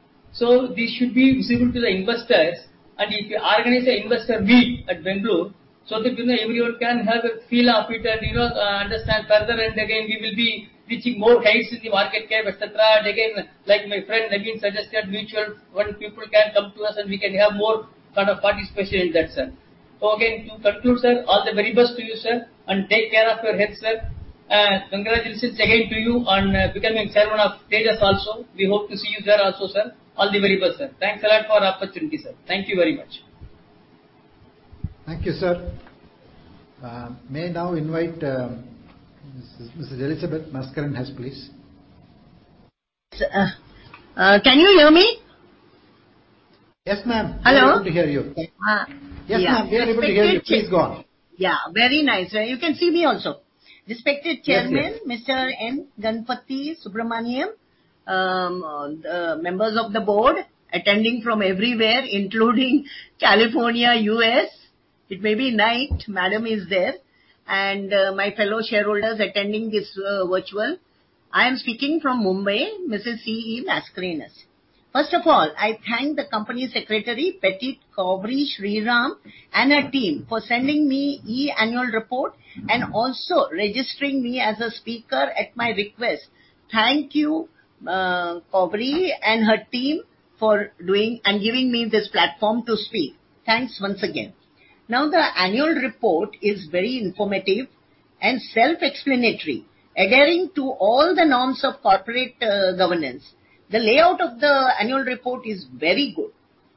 This should be visible to the investors. If you organize an investor week at Bengaluru so that, you know, everyone can have a feel of it and, you know, understand further, and again, we will be reaching more heights in the market cap, et cetera. Again, like my friend Naveen suggested, mutual fund people can come to us and we can have more kind of participation in that, sir. Again, to conclude, sir, all the very best to you, sir, and take care of your health, sir. Congratulations again to you on becoming chairman of Tata also. We hope to see you there also, sir. All the very best, sir. Thanks a lot for the opportunity, sir. Thank you very much. Thank you, sir. May I now invite Mrs. Elizabeth Mascarenhas, please. Sir, can you hear me? Yes, ma'am. Hello. We are able to hear you. Uh. Yes, ma'am. We are able to hear you. Please go on. Yeah. Very nice. You can see me also? Respected Chairman. Yes, yes. Mr. N. Ganapathy Subramaniam, members of the board attending from everywhere, including California, U.S. It may be night, madam is there. My fellow shareholders attending this virtual. I am speaking from Mumbai. Mrs. CE Mascarenhas. First of all, I thank the company secretary, Ms. Cauveri Sriram, and her team for sending me e-annual report and also registering me as a speaker at my request. Thank you, Cauveri and her team for doing and giving me this platform to speak. Thanks once again. Now, the annual report is very informative and self-explanatory, adhering to all the norms of corporate governance. The layout of the annual report is very good.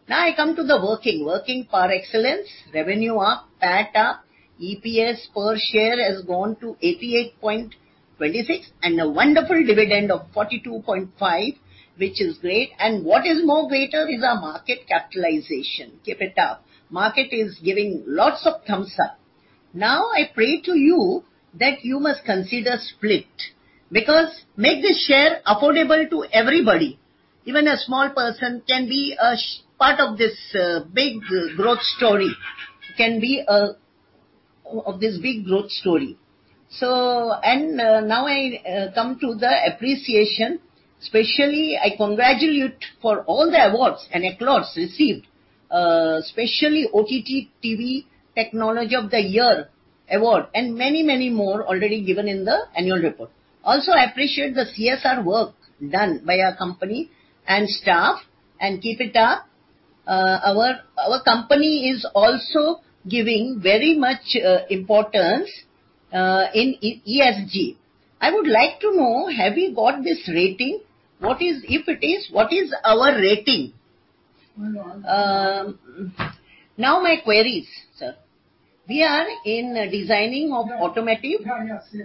Now I come to the working. Working par excellence, revenue up, PAT up, EPS per share has gone to 88.26, and a wonderful dividend of 42.5, which is great. What is more greater is our market capitalization. Keep it up. Market is giving lots of thumbs up. Now, I pray to you that you must consider split, because make this share affordable to everybody. Even a small person can be a part of this big growth story. Now I come to the appreciation. Especially, I congratulate for all the awards and applause received, especially OTT TV Technology of the Year Award and many, many more already given in the annual report. Also, I appreciate the CSR work done by our company and staff, and keep it up. Our company is also giving very much importance in ESG. I would like to know, have you got this rating? What is it? If it is, what is our rating? Now my queries, sir. We are in designing of automotive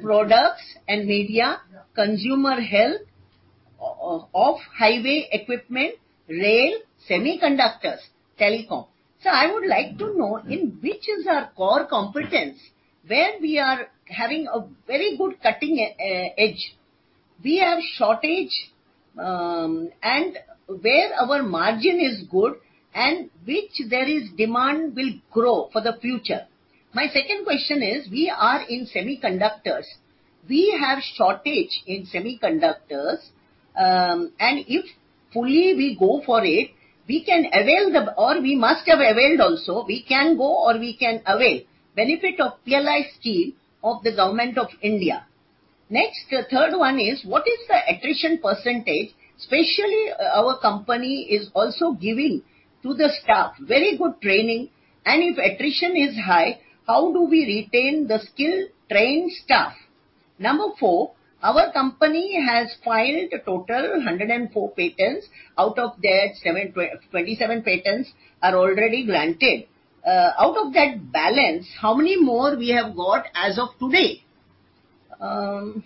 products and media, consumer health, off-highway equipment, rail, semiconductors, telecom. Sir, I would like to know in which is our core competence, where we are having a very good cutting edge, we have shortage, and where our margin is good, and which there is demand will grow for the future. My second question is, we are in semiconductors. We have shortage in semiconductors, and if fully we go for it, we can avail or we must have availed also, we can go or we can avail benefit of PLI scheme of the Government of India. Next, the third one is, what is the attrition percentage? Especially our company is also giving to the staff very good training. If attrition is high, how do we retain the skilled trained staff? Number four, our company has filed a total 104 patents. Out of that, 27 patents are already granted. Out of that balance, how many more we have got as of today? Number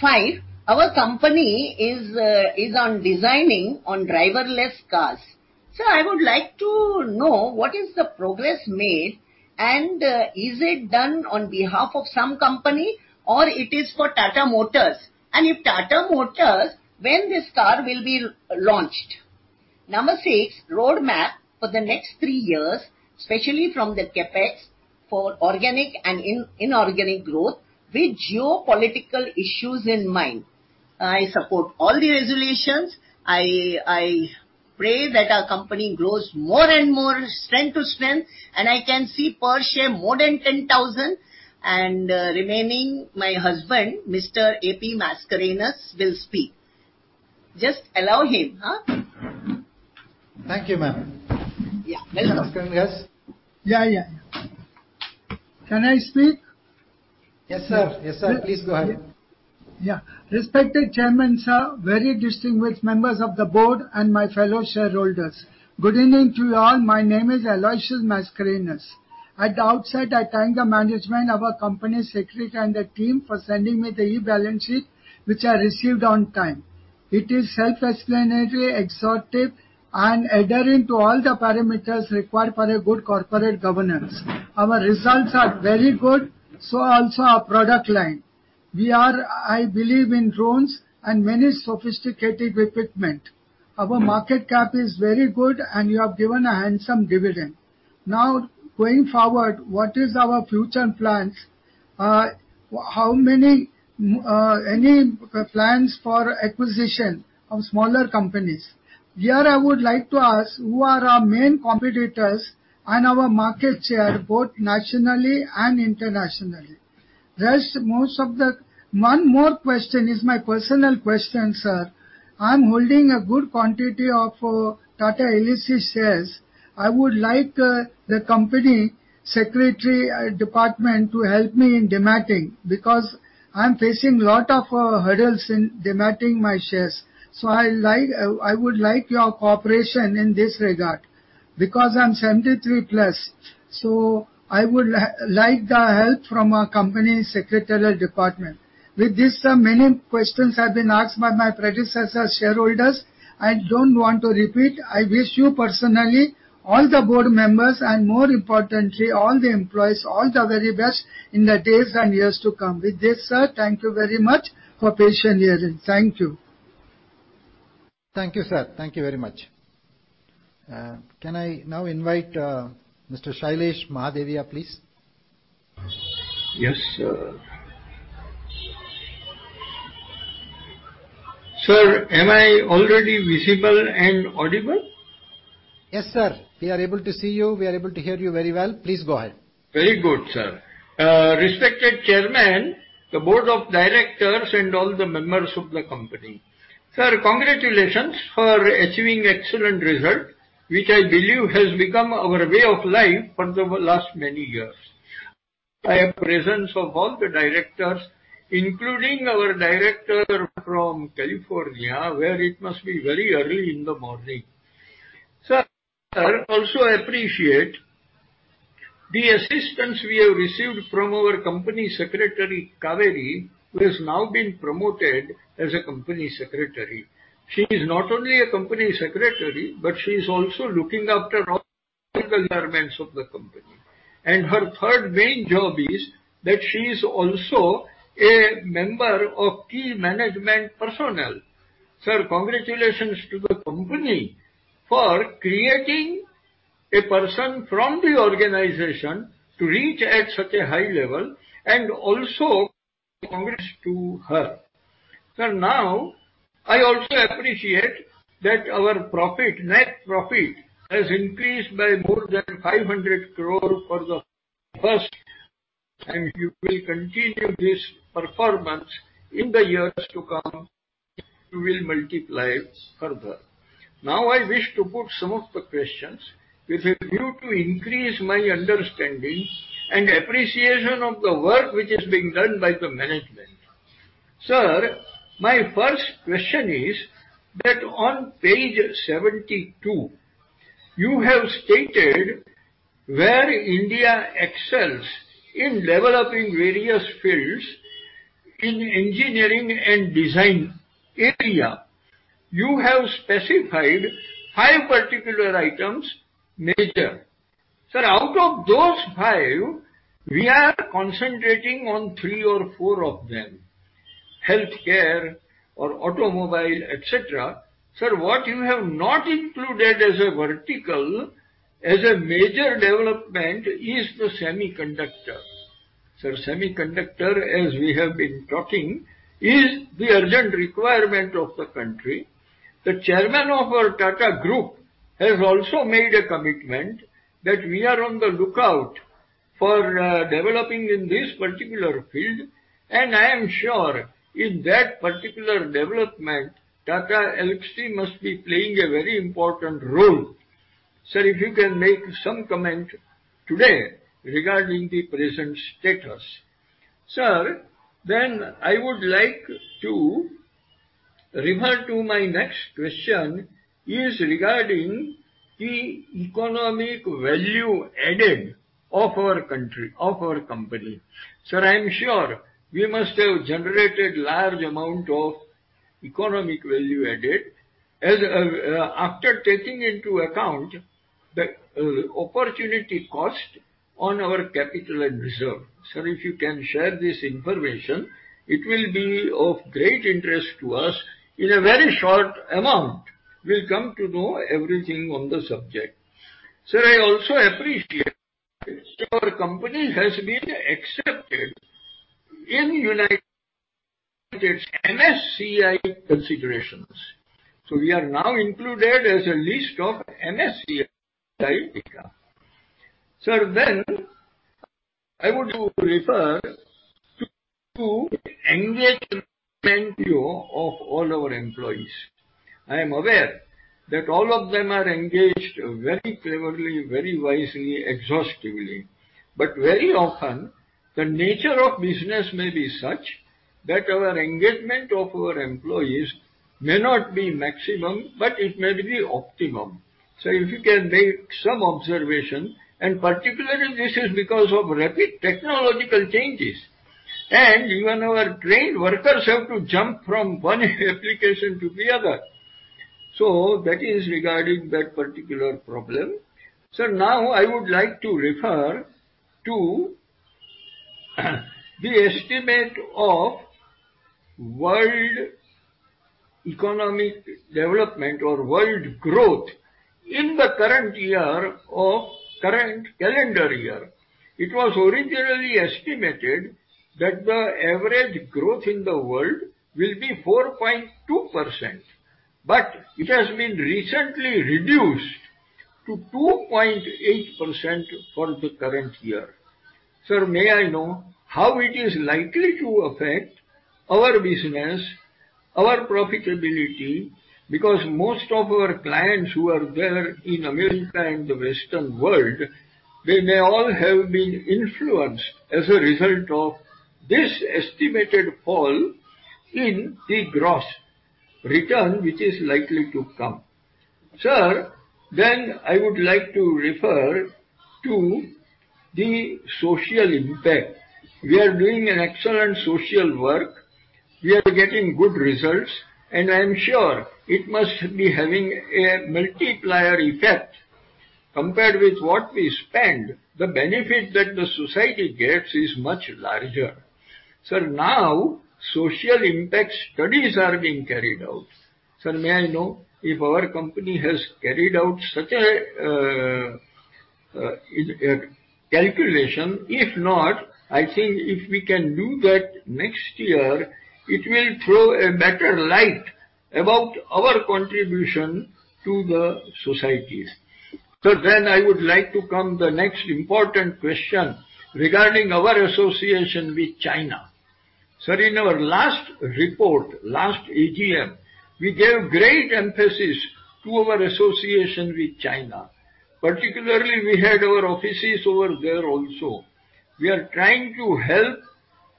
five, our company is on designing driverless cars. Sir, I would like to know what is the progress made and is it done on behalf of some company or it is for Tata Motors? And if Tata Motors, when this car will be launched? Number six, roadmap for the next three years, especially from the CapEx for organic and inorganic growth with geopolitical issues in mind. I support all the resolutions. I pray that our company grows more and more strength to strength, and I can see per share more than 10,000 and remaining, my husband, Mr. A.P. Mascarenhas will speak. Just allow him. Thank you, madam. Yeah, welcome. Mascarenhas. Yeah, yeah. Can I speak? Yes, sir. Yes, sir. Please go ahead. Yeah. Respected Chairman, sir, very distinguished members of the board, and my fellow shareholders. Good evening to you all. My name is Aloysius Mascarenhas. At the outset, I thank the management of our company secretary and the team for sending me the e-balance sheet, which I received on time. It is self-explanatory, exhaustive, and adhering to all the parameters required for a good corporate governance. Our results are very good, so also our product line. We are, I believe, in drones and many sophisticated equipment. Our market cap is very good, and you have given a handsome dividend. Now, going forward, what is our future plans? How many, any plans for acquisition of smaller companies? Here, I would like to ask who are our main competitors and our market share, both nationally and internationally. One more question is my personal question, sir. I'm holding a good quantity of Tata Elxsi shares. I would like the company secretary department to help me in dematting, because I'm facing a lot of hurdles in dematting my shares. I would like your cooperation in this regard, because I'm 73+. I would like the help from our company's secretarial department. With this, sir, many questions have been asked by my predecessors, shareholders. I don't want to repeat. I wish you personally, all the board members, and more importantly, all the employees, all the very best in the days and years to come. With this, sir, thank you very much for patient hearing. Thank you. Thank you, sir. Thank you very much. Can I now invite Mr. Shailesh Mahadevia, please? Yes, sir. Sir, am I already visible and audible? Yes, sir. We are able to see you. We are able to hear you very well. Please go ahead. Very good, sir. Respected Chairman, the Board of Directors, and all the members of the company. Sir, congratulations for achieving excellent result, which I believe has become our way of life for the last many years. In the presence of all the directors, including our director from California, where it must be very early in the morning. Sir, I also appreciate the assistance we have received from our Company Secretary Kaveri, who has now been promoted as a Company Secretary. She is not only a Company Secretary, but she is also looking after all the governance of the company. Her third main job is that she is also a member of key management personnel. Sir, congratulations to the company for creating a person from the organization to reach at such a high level and also congrats to her. Sir, now, I also appreciate that our profit, net profit, has increased by more than 500 crore for the first, and you will continue this performance in the years to come. You will multiply it further. Now, I wish to put some of the questions with a view to increase my understanding and appreciation of the work which is being done by the management. Sir, my first question is that on page 72, you have stated where India excels in developing various fields in engineering and design area. You have specified five particular items, major. Sir, out of those five, we are concentrating on three or four of them, healthcare or automobile, et cetera. Sir, what you have not included as a vertical, as a major development, is the semiconductor. Sir, semiconductor, as we have been talking, is the urgent requirement of the country. The Chairman of our Tata Group has also made a commitment that we are on the lookout for developing in this particular field, and I am sure in that particular development, Tata Elxsi must be playing a very important role. Sir, if you can make some comment today regarding the present status? Sir, then I would like to refer to my next question, which is regarding the economic value added of our country, of our company. Sir, I am sure we must have generated a large amount of economic value added after taking into account the opportunity cost on our capital and reserves. Sir, if you can share this information, it will be of great interest to us. In a very short time, we'll come to know everything on the subject. Sir, I also appreciate our company has been accepted in United States MSCI considerations. We are now included in the list of MSCI. Sir, I want to refer to engagement ratio of all our employees. I am aware that all of them are engaged very cleverly, very wisely, exhaustively. Very often, the nature of business may be such that our engagement of our employees may not be maximum, but it may be optimum. If you can make some observation, and particularly this is because of rapid technological changes, and even our trained workers have to jump from one application to the other. That is regarding that particular problem. Sir, I would like to refer to the estimate of world economic development or world growth in the current year of current calendar year. It was originally estimated that the average growth in the world will be 4.2%, but it has been recently reduced to 2.8% for the current year. Sir, may I know how it is likely to affect our business, our profitability? Because most of our clients who are there in America and the Western world, they may all have been influenced as a result of this estimated fall in the growth rate which is likely to come. Sir, I would like to refer to the social impact. We are doing an excellent social work. We are getting good results, and I am sure it must be having a multiplier effect. Compared with what we spend, the benefit that the society gets is much larger. Sir, now social impact studies are being carried out. Sir, may I know if our company has carried out such a calculation? If not, I think if we can do that next year, it will throw a better light about our contribution to the societies. Sir, I would like to come the next important question regarding our association with China. Sir, in our last report, last AGM, we gave great emphasis to our association with China. Particularly, we had our offices over there also. We are trying to help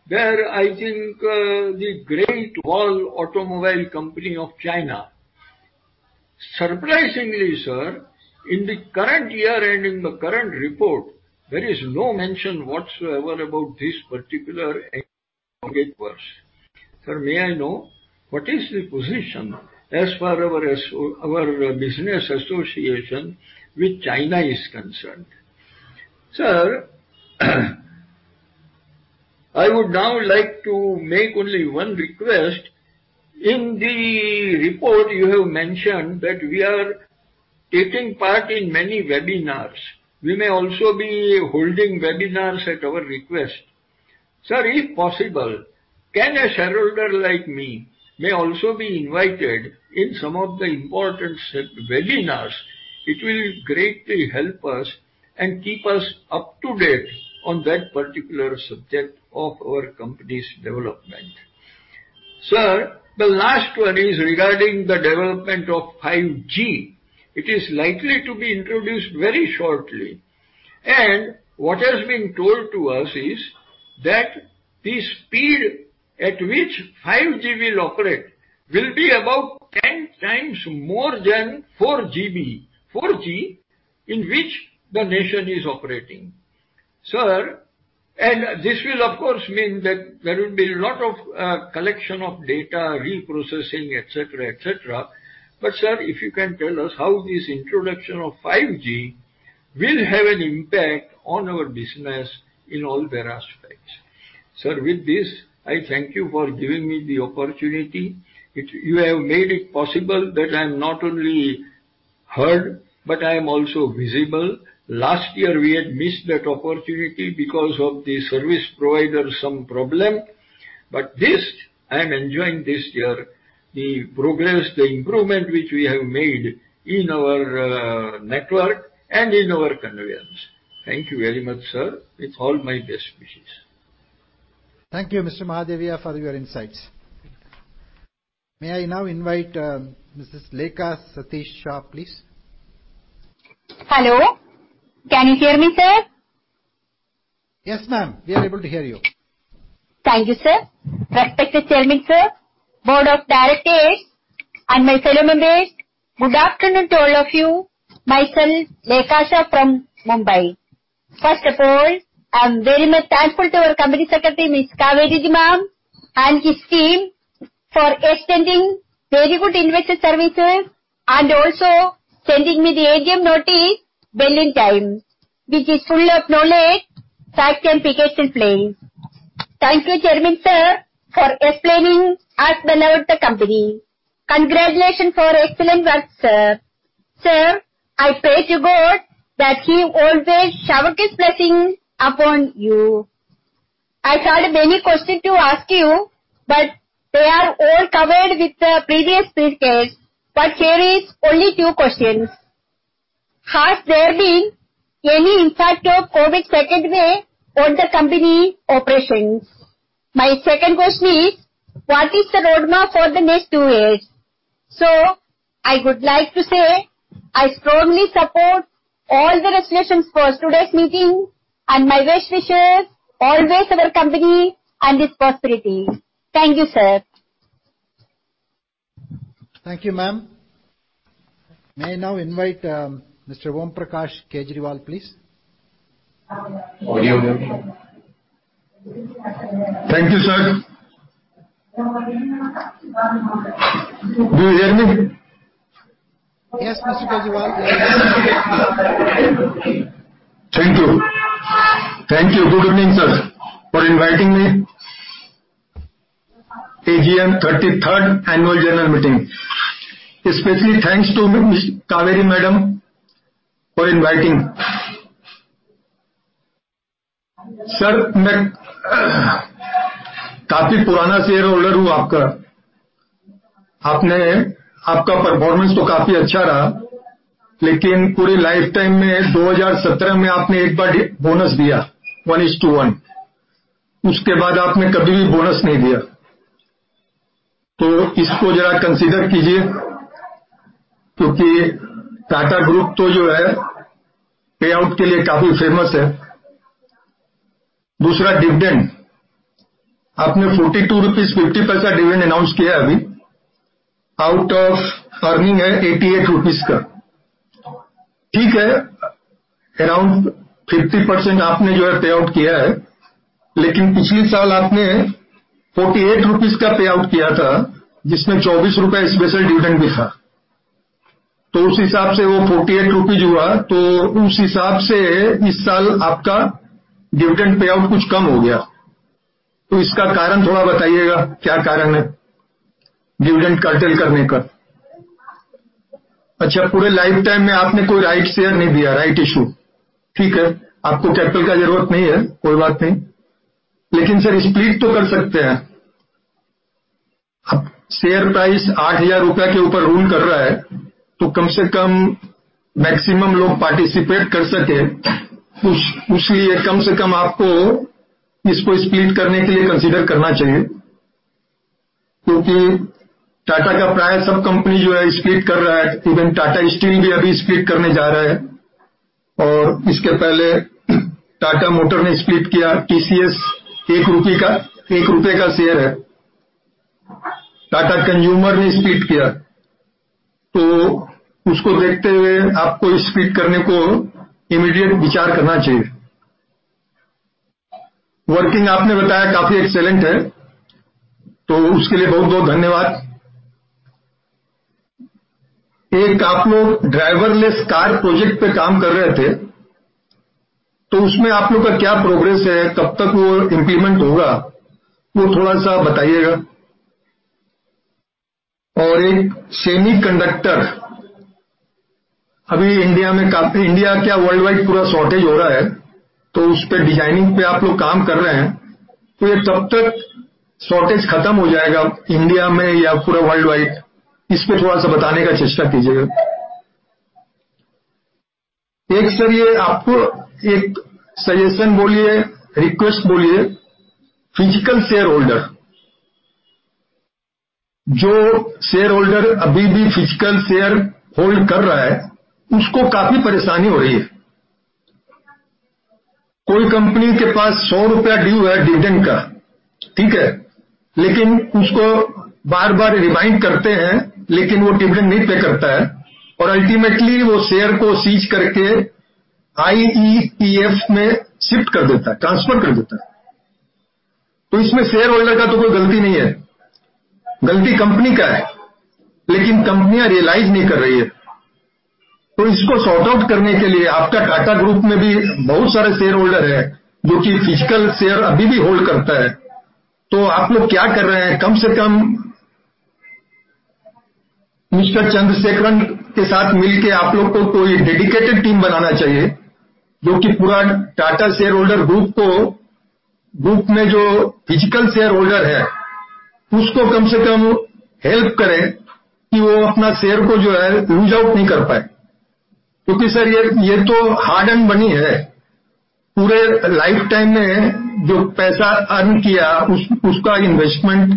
their, I think, the Great Wall Automobile Company of China. Surprisingly, sir, in the current year and in the current report, there is no mention whatsoever about this particular endeavor. Sir, may I know what is the position as far as our business association with China is concerned? Sir, I would now like to make only one request. In the report, you have mentioned that we are taking part in many webinars. We may also be holding webinars at our request. Sir, if possible, can a shareholder like me may also be invited in some of the important webinars? It will greatly help us and keep us up to date on that particular subject of our company's development. Sir, the last one is regarding the development of 5G. It is likely to be introduced very shortly. What has been told to us is that the speed at which 5G will operate will be about ten times more than 4G, in which the nation is operating. Sir, this will of course mean that there will be a lot of collection of data, reprocessing, et cetera, et cetera. Sir, if you can tell us how this introduction of 5G will have an impact on our business in all their aspects? Sir, with this, I thank you for giving me the opportunity. You have made it possible that I am not only heard, but I am also visible. Last year, we had missed that opportunity because of the service provider, some problem. This, I am enjoying this year, the progress, the improvement which we have made in our network and in our connectivity. Thank you very much, sir. With all my best wishes. Thank you, Mr. Mahadevia, for your insights. May I now invite, Mrs. Lekha Satish Shah, please. Hello. Can you hear me, sir? Yes, ma'am, we are able to hear you. Thank you, sir. Respected Chairman, sir, board of directors, and my fellow members, good afternoon to all of you. Myself, Lekha Shah from Mumbai. First of all, I'm very much thankful to our company secretary, Miss Cauveri Sriram and his team for extending very good investor services and also sending me the AGM notice well in time, which is full of knowledge, facts, and figures in place. Thank you, Chairman, sir, for explaining as well about the company. Congratulations for excellent work, sir. Sir, I pray to God that he always shower his blessing upon you. I thought of many questions to ask you, but they are all covered with the previous speakers. Here is only two questions. Has there been any impact of COVID second wave on the company operations? My second question is. What is the roadmap for the next two years? I would like to say I strongly support all the resolutions for today's meeting and my best wishes always to the company and its prosperity. Thank you, sir. Thank you, ma'am. May I now invite Mr. Om Prakash Kejriwal, please? Thank you, sir. Do you hear me? Yes, Mr. Kejriwal. Thank you. Thank you. Good evening, sir, for inviting me to the 33rd annual general meeting. Especially thanks to Ms. Cauveri Sriram for inviting. Sir, मैं काफी पुराना shareholder हूं आपका। आपका performance तो काफी अच्छा रहा, लेकिन पूरी lifetime में 2017 में आपने एक बार bonus दिया, 1:1. उसके बाद आपने कभी भी bonus नहीं दिया। तो इसको जरा consider कीजिए, क्योंकि Tata Group तो जो है payout के लिए काफी famous है। दूसरा dividend आपने ₹42.50 dividend announce किया है अभी। Out of earning है ₹88 का। ठीक है, around 50% आपने जो है payout किया है, लेकिन पिछले साल आपने ₹48 का payout किया था, जिसमें ₹24 special dividend भी था। तो उस हिसाब से वह ₹48 हुआ। तो उस हिसाब से इस साल आपका dividend payout कुछ कम हो गया, तो इसका कारण थोड़ा बताइएगा। क्या कारण है dividend curtail करने का? अच्छा पूरे lifetime में आपने कोई right share नहीं दिया। Right issue, ठीक है। आपको capital का जरूरत नहीं है। कोई बात नहीं। लेकिन sir split तो कर सकते हैं। Share price ₹8000 के ऊपर rule कर रहा है तो कम से कम maximum लोग participate कर सकें। उसीलिए कम से कम आपको इसको split करने के लिए consider करना चाहिए। क्योंकि Tata का प्रायः सब company जो है split कर रहा है। Even Tata Steel भी अभी split करने जा रहा है और इसके पहले Tata Motors ने split किया। TCS एक रुपए का share है। Tata Consumer ने split किया तो उसको देखते हुए आपको split करने को immediate विचार करना चाहिए। Working आपने बताया काफी excellent है तो उसके लिए बहुत बहुत धन्यवाद। एक आप लोग driverless car project पर काम कर रहे थे तो उसमें आप लोग का क्या progress है, कब तक वह implement होगा वो थोड़ा सा बताइएगा। और एक semiconductor अभी India में काफी, India क्या, worldwide पूरा shortage हो रहा है तो उस पर designing पर आप लोग काम कर रहे हैं तो यह कब तक shortage खत्म हो जाएगा India में या पूरा worldwide। इसको थोड़ा सा बताने का चेष्टा कीजिए। एक sir यह आपको एक suggestion बोलिए, request बोलिए। Physical shareholder, जो shareholder अभी भी physical share hold कर रहा है उसको काफी परेशानी हो रही है। कोई company के पास ₹100 due है dividend का। ठीक है, लेकिन उसको बार बार remind करते हैं लेकिन वह dividend नहीं pay करता है और ultimately वह share को seize करके IEPF में shift कर देता है, transfer कर देता है। तो इसमें shareholder का तो कोई गलती नहीं है। गलती company का है लेकिन company realize नहीं कर रही है। तो इसको sort out करने के लिए आपका Tata Group में भी बहुत सारे shareholder है जो कि physical share अभी भी hold करता है। तो आप लोग क्या कर रहे हैं? कम से कम Mr. Chandrasekaran के साथ मिलकर आप लोग को कोई dedicated team बनाना चाहिए जो कि पूरा Tata shareholder group को, group में जो physical shareholder है उसको कम से कम help करें कि वह अपना share को जो है lose out नहीं कर पाए। क्योंकि sir यह तो hard earned money है। पूरे lifetime में जो पैसा earn किया उसका investment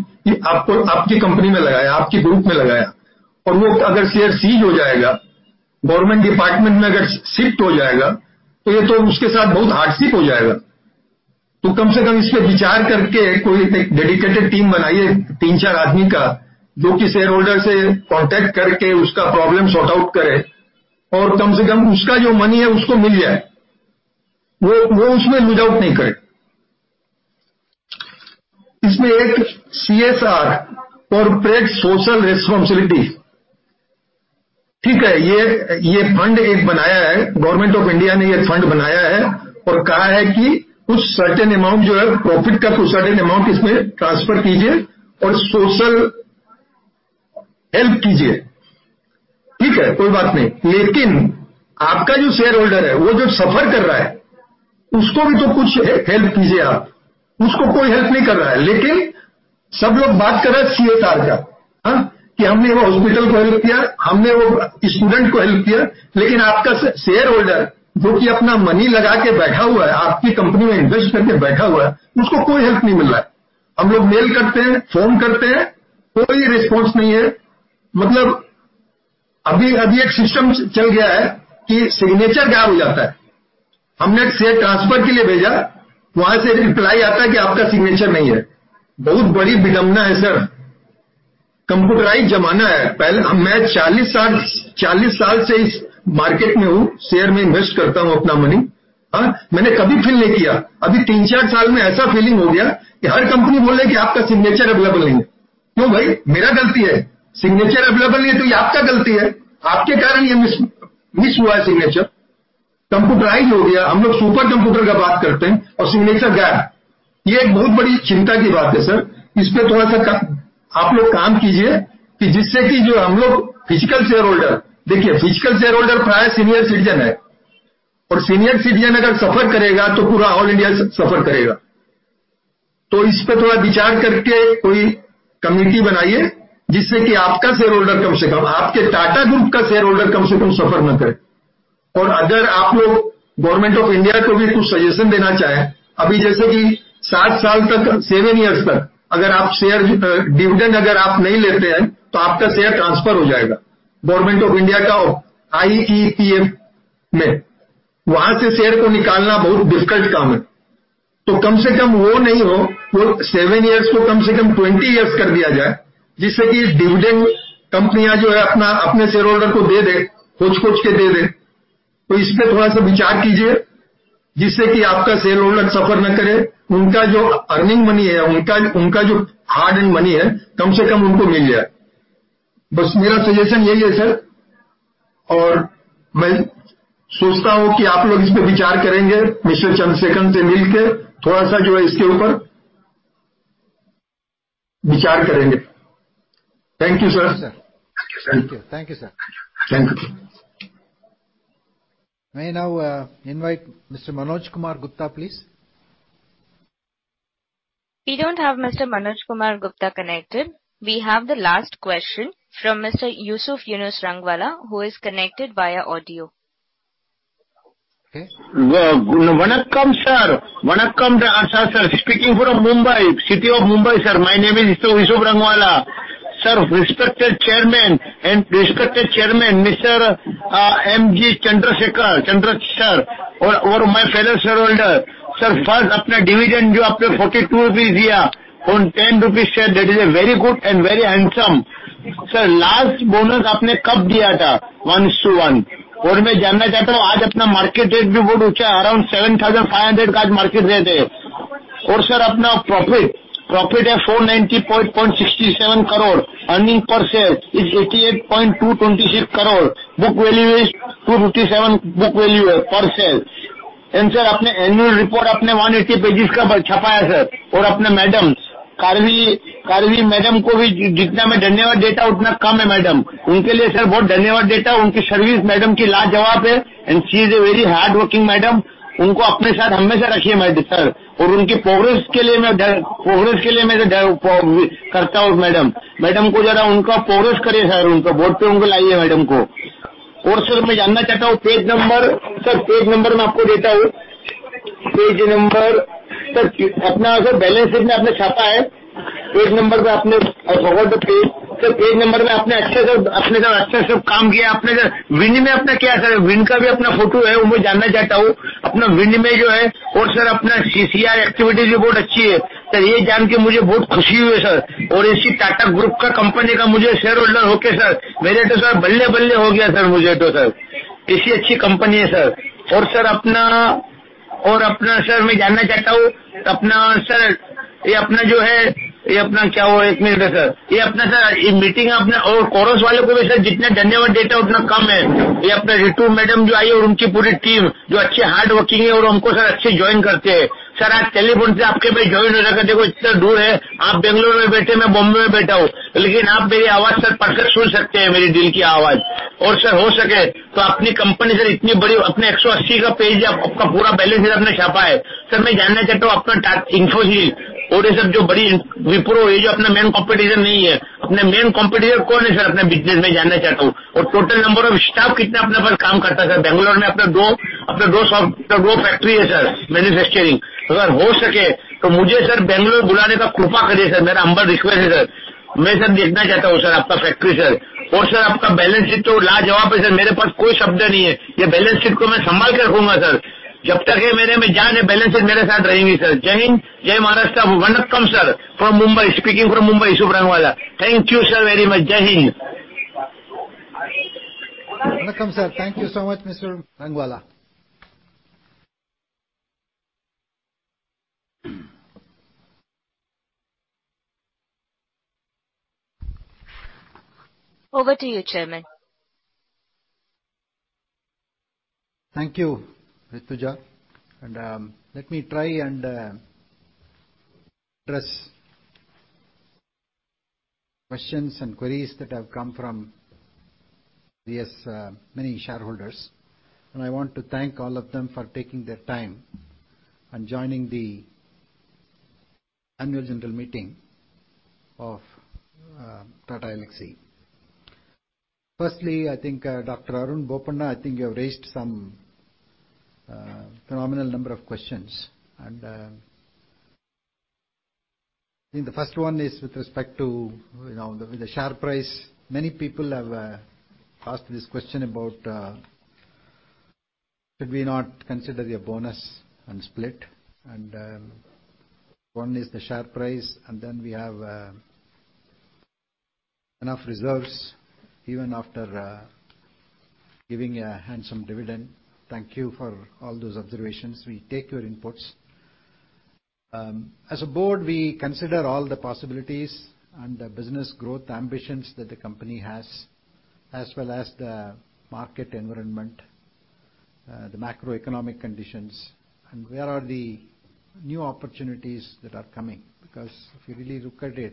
आपको आपकी company में लगाया, आपकी group में लगाया और वह अगर share seize हो जाएगा, government department में अगर shift हो जाएगा तो यह तो उसके साथ बहुत hardship हो जाएगा। तो कम से कम इस पर विचार करके कोई एक dedicated team बनाइए। तीन चार आदमी का जो कि shareholder से contact करके उसका problem sort out करे और कम से कम उसका जो money है उसको मिल जाए। वह उसमें lose out नहीं करें। इसमें एक CSR, corporate social responsibility, ठीक है, यह fund एक बनाया है। Government of India ने यह fund बनाया है और कहा है कि कुछ certain amount जो है profit का कुछ certain amount इसमें transfer कीजिए और social help कीजिए। ठीक है, कोई बात नहीं। लेकिन आपका जो shareholder है वो जो suffer कर रहा है उसको भी तो कुछ help कीजिए आप। उसको कोई help नहीं कर रहा है लेकिन सब लोग बात कर रहे हैं CSR का। हां, कि हमने hospital को help किया, हमने वो student को help किया। लेकिन आपका shareholder जो कि अपना money लगा के बैठा हुआ है, आपकी company में invest करके बैठा हुआ है उसको कोई help नहीं मिल रहा है। हम लोग mail करते हैं, phone करते हैं, कोई response नहीं है। मतलब अभी एक system चल गया है कि signature गायब हो जाता है। हमने share transfer के लिए भेजा। वहां से reply आता है कि आपका signature नहीं है। बहुत बड़ी विडंबना है sir। Computerised जमाना है। पहले मैं 40 साल, 40 साल से इस market में हूं। Share में invest करता हूं अपना money। हां, मैंने कभी feel नहीं किया। अभी तीन चार साल में ऐसा feeling हो गया कि हर company बोल रही है कि आपका signature available नहीं है। क्यों भाई? मेरी गलती है। Signature available नहीं है तो यह आपकी गलती है। आपके द्वार में miss हुआ है signature। Computerised हो गया। हम लोग super computer का बात करते हैं और signature गायब। यह बहुत बड़ी चिंता की बात है sir। इस पर थोड़ा सा आप लोग काम कीजिए कि जिससे कि जो हम लोग physical shareholder, देखिए physical shareholder प्रायः senior citizen है और senior citizen अगर suffer करेगा तो पूरा all India suffer करेगा। तो इस पर थोड़ा विचार करके कोई committee बनाइए जिससे कि आपका shareholder कम से कम आपके Tata Group का shareholder कम से कम suffer ना करें। If you people, Government of India, also want to give some suggestion, now like seven years till seven years if you share, if you do not take dividend, then your share will be transferred. Government of India's in IEPF. It is very difficult to get the share out from there. So at least it should not be that seven years should be made at least 20 years so that the dividend companies give their shareholders by searching, give it. So think a little about it so that your shareholder does not suffer. Their earning money, their hard earned money, at least they get it. Just my suggestion is this, sir. I think that you people will think about it. Will think a little about it by meeting Mr. N. Chandrasekaran. Thank you, sir. Thank you, sir. Thank you, sir. Thank you. May I now invite Mr. Manoj Kumar Gupta, please. We don't have Mr. Manoj Kumar Gupta connected. We have the last question from Mr. Yusuf Yunus Rangwala, who is connected via audio. Vanakkam, sir. Vanakkam, sir. Speaking from Mumbai, city of Mumbai, sir. My name is Yusuf Rangwala. Sir, respected chairman and respected chairman, Mr. N. Ganapathy Subramaniam, Chandra sir, and my fellow shareholder. Sir, first dividend you gave 42 rupees on 10 rupees share, that is a very good and very handsome. Sir, last bonus you gave when? 1x1. I want to know, today our market rate is also very high, around 7,500 today market rate is. Sir, our profit is INR 490.67 crore. Earning per share is 88.226 crore. Book value is 257 book value per share. Sir, your annual report you printed 180 pages, sir. Our madam, Ms. Cauveri Sriram, Karvi madam also as much as I thank her, it is so less, madam. For her, sir, I thank her very much. Her service, madam, is amazing and she is a very hardworking madam. Always keep her with you, sir, and for her progress, I do, madam. Madam, please progress her, sir. Bring her on board, madam. Sir, I want to know page number. Sir, page number I give you. Page number. Sir, your balance sheet you have printed. Page number you have over the page. Sir, page number you have done a good job, sir. What you have done in wind, sir? Wind also has its own photo. I want to know that. In your wind and sir, your CSR activity report is good. Sir, I am very happy to know this, sir. Such Tata Group company's shareholder I am, sir, I have become balli-balli, sir. Such a good company, sir. Sir, I want to know, sir, this is ours, what is it? One minute, sir. This meeting and core people also, sir, as much as I thank them, it is so less. This Rituja madam who has come and her entire team, who are good hardworking and they join us well, sir. Sir, today on telephone you have joined me. Look, it is so far. You are sitting in Bangalore, I am sitting in Bombay. But you can hear my voice, sir, you can hear my heart's voice. Sir, if possible, your company, sir, is so big. Your 180-page, your entire balance sheet you have printed. Sir, I want to know your Infosys and sir, Wipro, which is not our main competitor. Who is our main competitor, sir, in our business? I want to know. Total number of staff, how many work for us, sir? In Bangalore you have two factories, sir, manufacturing. Sir, if possible, then call me to Bangalore, sir. It is my humble request, sir. I want to see, sir, your factory, sir. Sir, your balance sheet is amazing, sir. I don't have any words. I will keep this balance sheet safely, sir. As long as I am alive, this balance sheet will be with me, sir. Jai Hind. Jai Maharashtra. Vanakkam, sir. From Mumbai. Speaking from Mumbai, Yusuf Rangwala. Thank you, sir, very much. Jai Hind. Vanakkam, sir. Thank you so much, Mr. Rangwala. Over to you, Chairman. Thank you, Rituja, and let me try and address questions and queries that have come from these many shareholders, and I want to thank all of them for taking their time and joining the annual general meeting of Tata Elxsi. Firstly, I think Dr. Arun Bopanna, I think you have raised some phenomenal number of questions. I think the first one is with respect to the share price. Many people have asked this question about should we not consider a bonus and split? One is the share price, and then we have enough reserves even after giving a handsome dividend. Thank you for all those observations. We take your inputs. As a board, we consider all the possibilities and the business growth ambitions that the company has, as well as the market environment, the macroeconomic conditions, and where are the new opportunities that are coming. If you really look at it,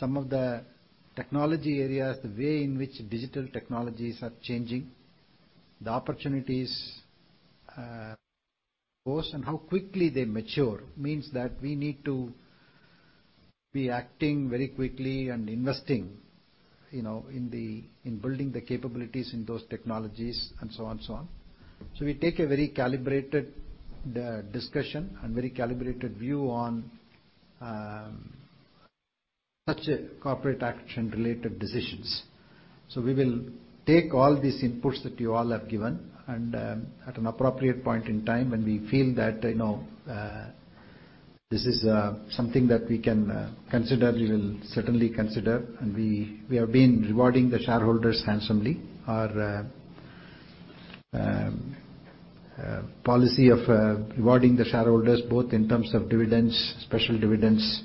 some of the technology areas, the way in which digital technologies are changing, the opportunities pose and how quickly they mature means that we need to be acting very quickly and investing, you know, in building the capabilities in those technologies, and so on. We take a very calibrated discussion and very calibrated view on such corporate action related decisions. We will take all these inputs that you all have given, and at an appropriate point in time when we feel that, you know, this is something that we can consider, we will certainly consider. We have been rewarding the shareholders handsomely. Our policy of rewarding the shareholders, both in terms of dividends, special dividends,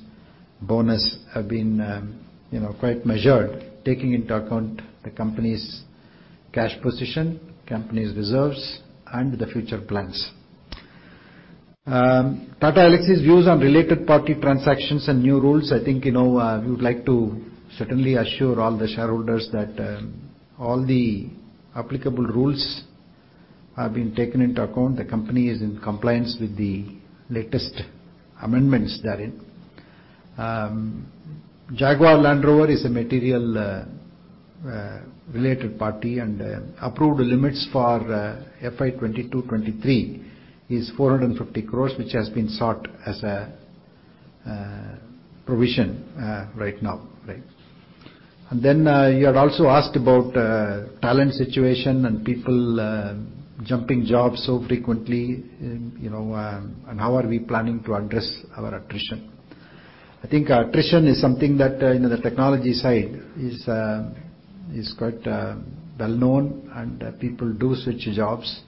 bonus, have been, you know, quite measured, taking into account the company's cash position, company's reserves and the future plans. Tata Elxsi's views on related party transactions and new rules. I think, you know, we would like to certainly assure all the shareholders that all the applicable rules are being taken into account. The company is in compliance with the latest amendments therein. Jaguar Land Rover is a material related party and approved limits for FY 2022-2023 is 450 crore, which has been sought as a provision right now. Right. You had also asked about talent situation and people jumping jobs so frequently and, you know, and how we are planning to address our attrition. I think attrition is something that in the technology side is quite well known and people do switch jobs.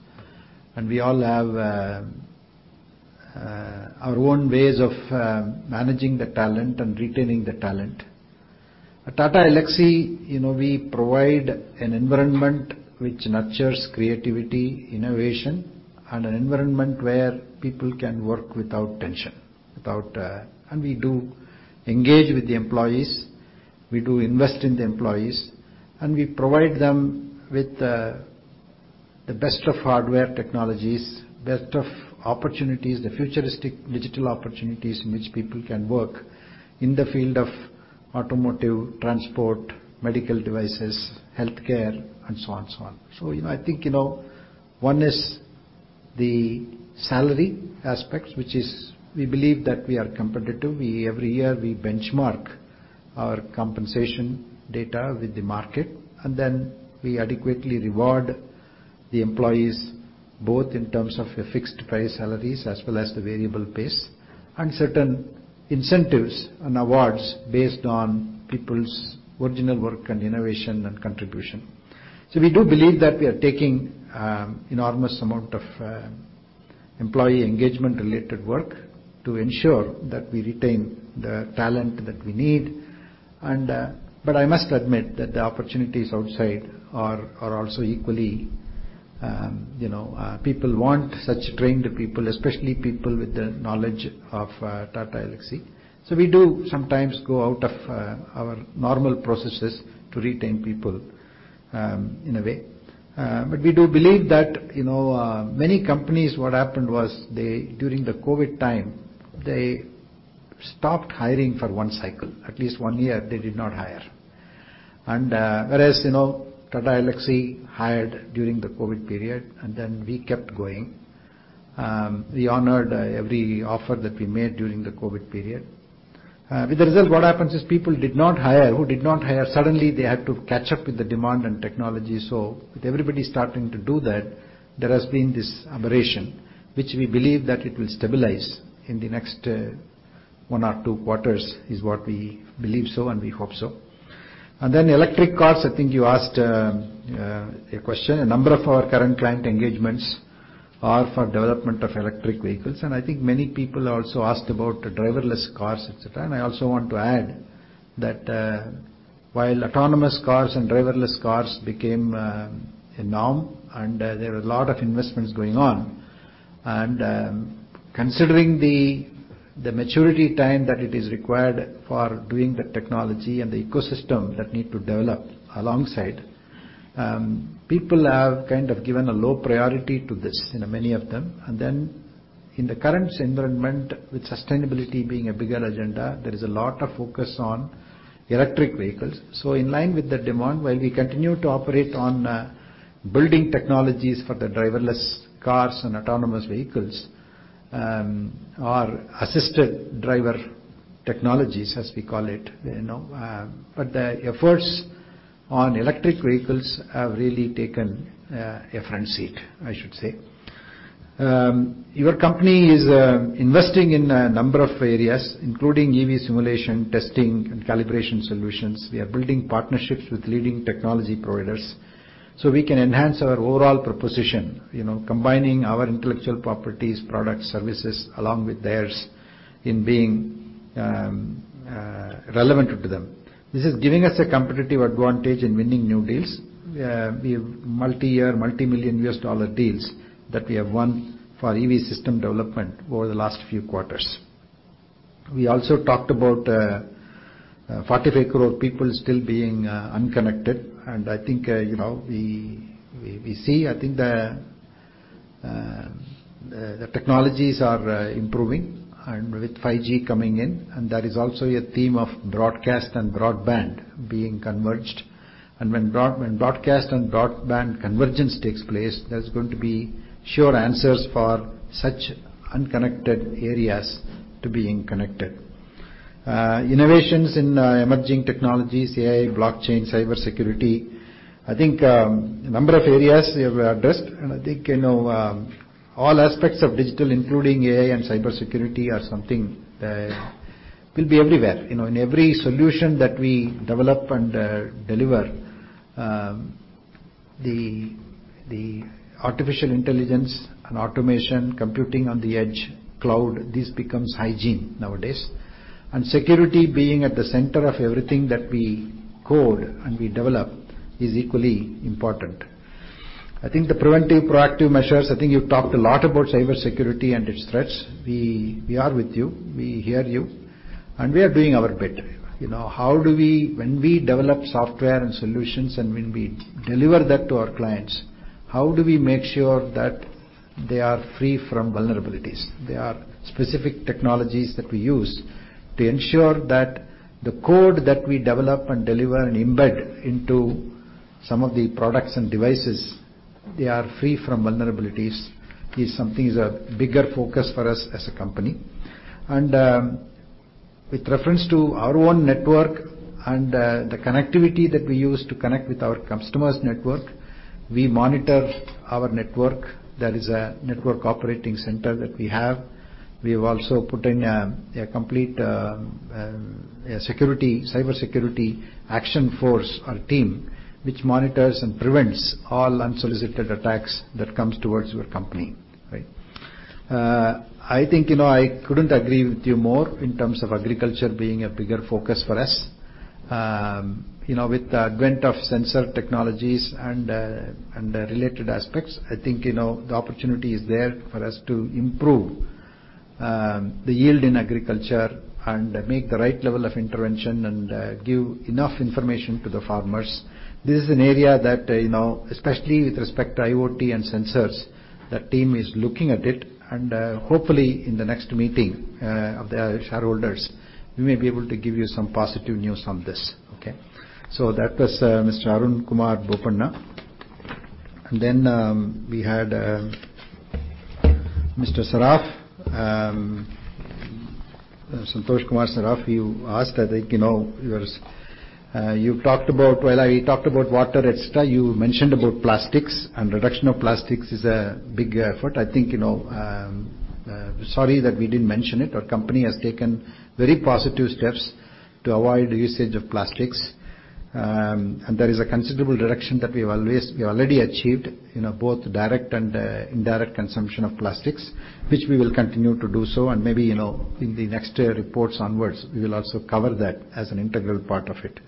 We all have our own ways of managing the talent and retaining the talent. At Tata Elxsi, you know, we provide an environment which nurtures creativity, innovation, and an environment where people can work without tension. We do engage with the employees, we do invest in the employees, and we provide them with the best of hardware technologies, best of opportunities, the futuristic digital opportunities in which people can work in the field of automotive, transport, medical devices, healthcare, and so on and so on. You know, I think, you know, one is the salary aspects, which is we believe that we are competitive. We every year we benchmark our compensation data with the market, and then we adequately reward the employees, both in terms of a fixed pay salaries as well as the variable pays, and certain incentives and awards based on people's original work and innovation and contribution. We do believe that we are taking enormous amount of employee engagement related work to ensure that we retain the talent that we need. But I must admit that the opportunities outside are also equally, you know. People want such trained people, especially people with the knowledge of Tata Elxsi. We do sometimes go out of our normal processes to retain people in a way. We do believe that, you know, many companies, what happened was they during the COVID time, they stopped hiring for one cycle. At least one year they did not hire. Whereas, you know, Tata Elxsi hired during the COVID period, and then we kept going. We honored every offer that we made during the COVID period. With the result, what happens is people who did not hire suddenly had to catch up with the demand and technology. With everybody starting to do that, there has been this aberration, which we believe that it will stabilize in the next one or two quarters, is what we believe so and we hope so. Then electric cars, I think you asked a question. A number of our current client engagements are for development of electric vehicles, and I think many people also asked about driverless cars, et cetera. I also want to add that, while autonomous cars and driverless cars became a norm and there are a lot of investments going on, and considering the maturity time that it is required for doing the technology and the ecosystem that need to develop alongside, people have kind of given a low priority to this, you know, many of them. In the current environment, with sustainability being a bigger agenda, there is a lot of focus on electric vehicles. In line with the demand, while we continue to operate on building technologies for the driverless cars and autonomous vehicles, or assisted driver technologies, as we call it, you know, but the efforts on electric vehicles have really taken a front seat, I should say. Your company is investing in a number of areas, including EV simulation, testing, and calibration solutions. We are building partnerships with leading technology providers so we can enhance our overall proposition, you know, combining our intellectual properties, products, services, along with theirs in being relevant to them. This is giving us a competitive advantage in winning new deals. We have multi-year, multi-million dollar deals that we have won for EV system development over the last few quarters. We also talked about 45 crore people still being unconnected. I think, you know, we see, I think the technologies are improving and with 5G coming in, and there is also a theme of broadcast and broadband being converged. When broadcast and broadband convergence takes place, there's going to be solutions for such unconnected areas to being connected. Innovations in emerging technologies, AI, blockchain, cybersecurity, I think, a number of areas we have addressed, and I think, you know, all aspects of digital, including AI and cybersecurity are something that will be everywhere. You know, in every solution that we develop and deliver, the artificial intelligence and automation, computing on the edge, cloud, this becomes hygiene nowadays. Security being at the center of everything that we code and we develop is equally important. I think the preventive proactive measures. I think you've talked a lot about cybersecurity and its threats. We are with you, we hear you, and we are doing our bit. You know, how do we? When we develop software and solutions, and when we deliver that to our clients, how do we make sure that they are free from vulnerabilities? There are specific technologies that we use to ensure that the code that we develop and deliver and embed into some of the products and devices, they are free from vulnerabilities, is something is a bigger focus for us as a company. With reference to our own network and the connectivity that we use to connect with our customers' network, we monitor our network. There is a network operating center that we have. We have also put in a complete security, cybersecurity action force or team which monitors and prevents all unsolicited attacks that comes towards your company. Right? I think, you know, I couldn't agree with you more in terms of agriculture being a bigger focus for us. You know, with the advent of sensor technologies and the related aspects, I think, you know, the opportunity is there for us to improve the yield in agriculture and make the right level of intervention and give enough information to the farmers. This is an area that, you know, especially with respect to IoT and sensors, the team is looking at it, and hopefully in the next meeting of the shareholders, we may be able to give you some positive news on this, okay? That was Mr. Arun Kumar Boppana. We had Mr. Saraf. Santosh Kumar Saraf, you asked, I think, you know, yours. You talked about. Well, I talked about water, et cetera. You mentioned about plastics, and reduction of plastics is a big effort. I think, you know, sorry that we didn't mention it. Our company has taken very positive steps to avoid usage of plastics. There is a considerable reduction that we already achieved in both direct and indirect consumption of plastics, which we will continue to do so and maybe, you know, in the next year reports onwards, we will also cover that as an integral part of it.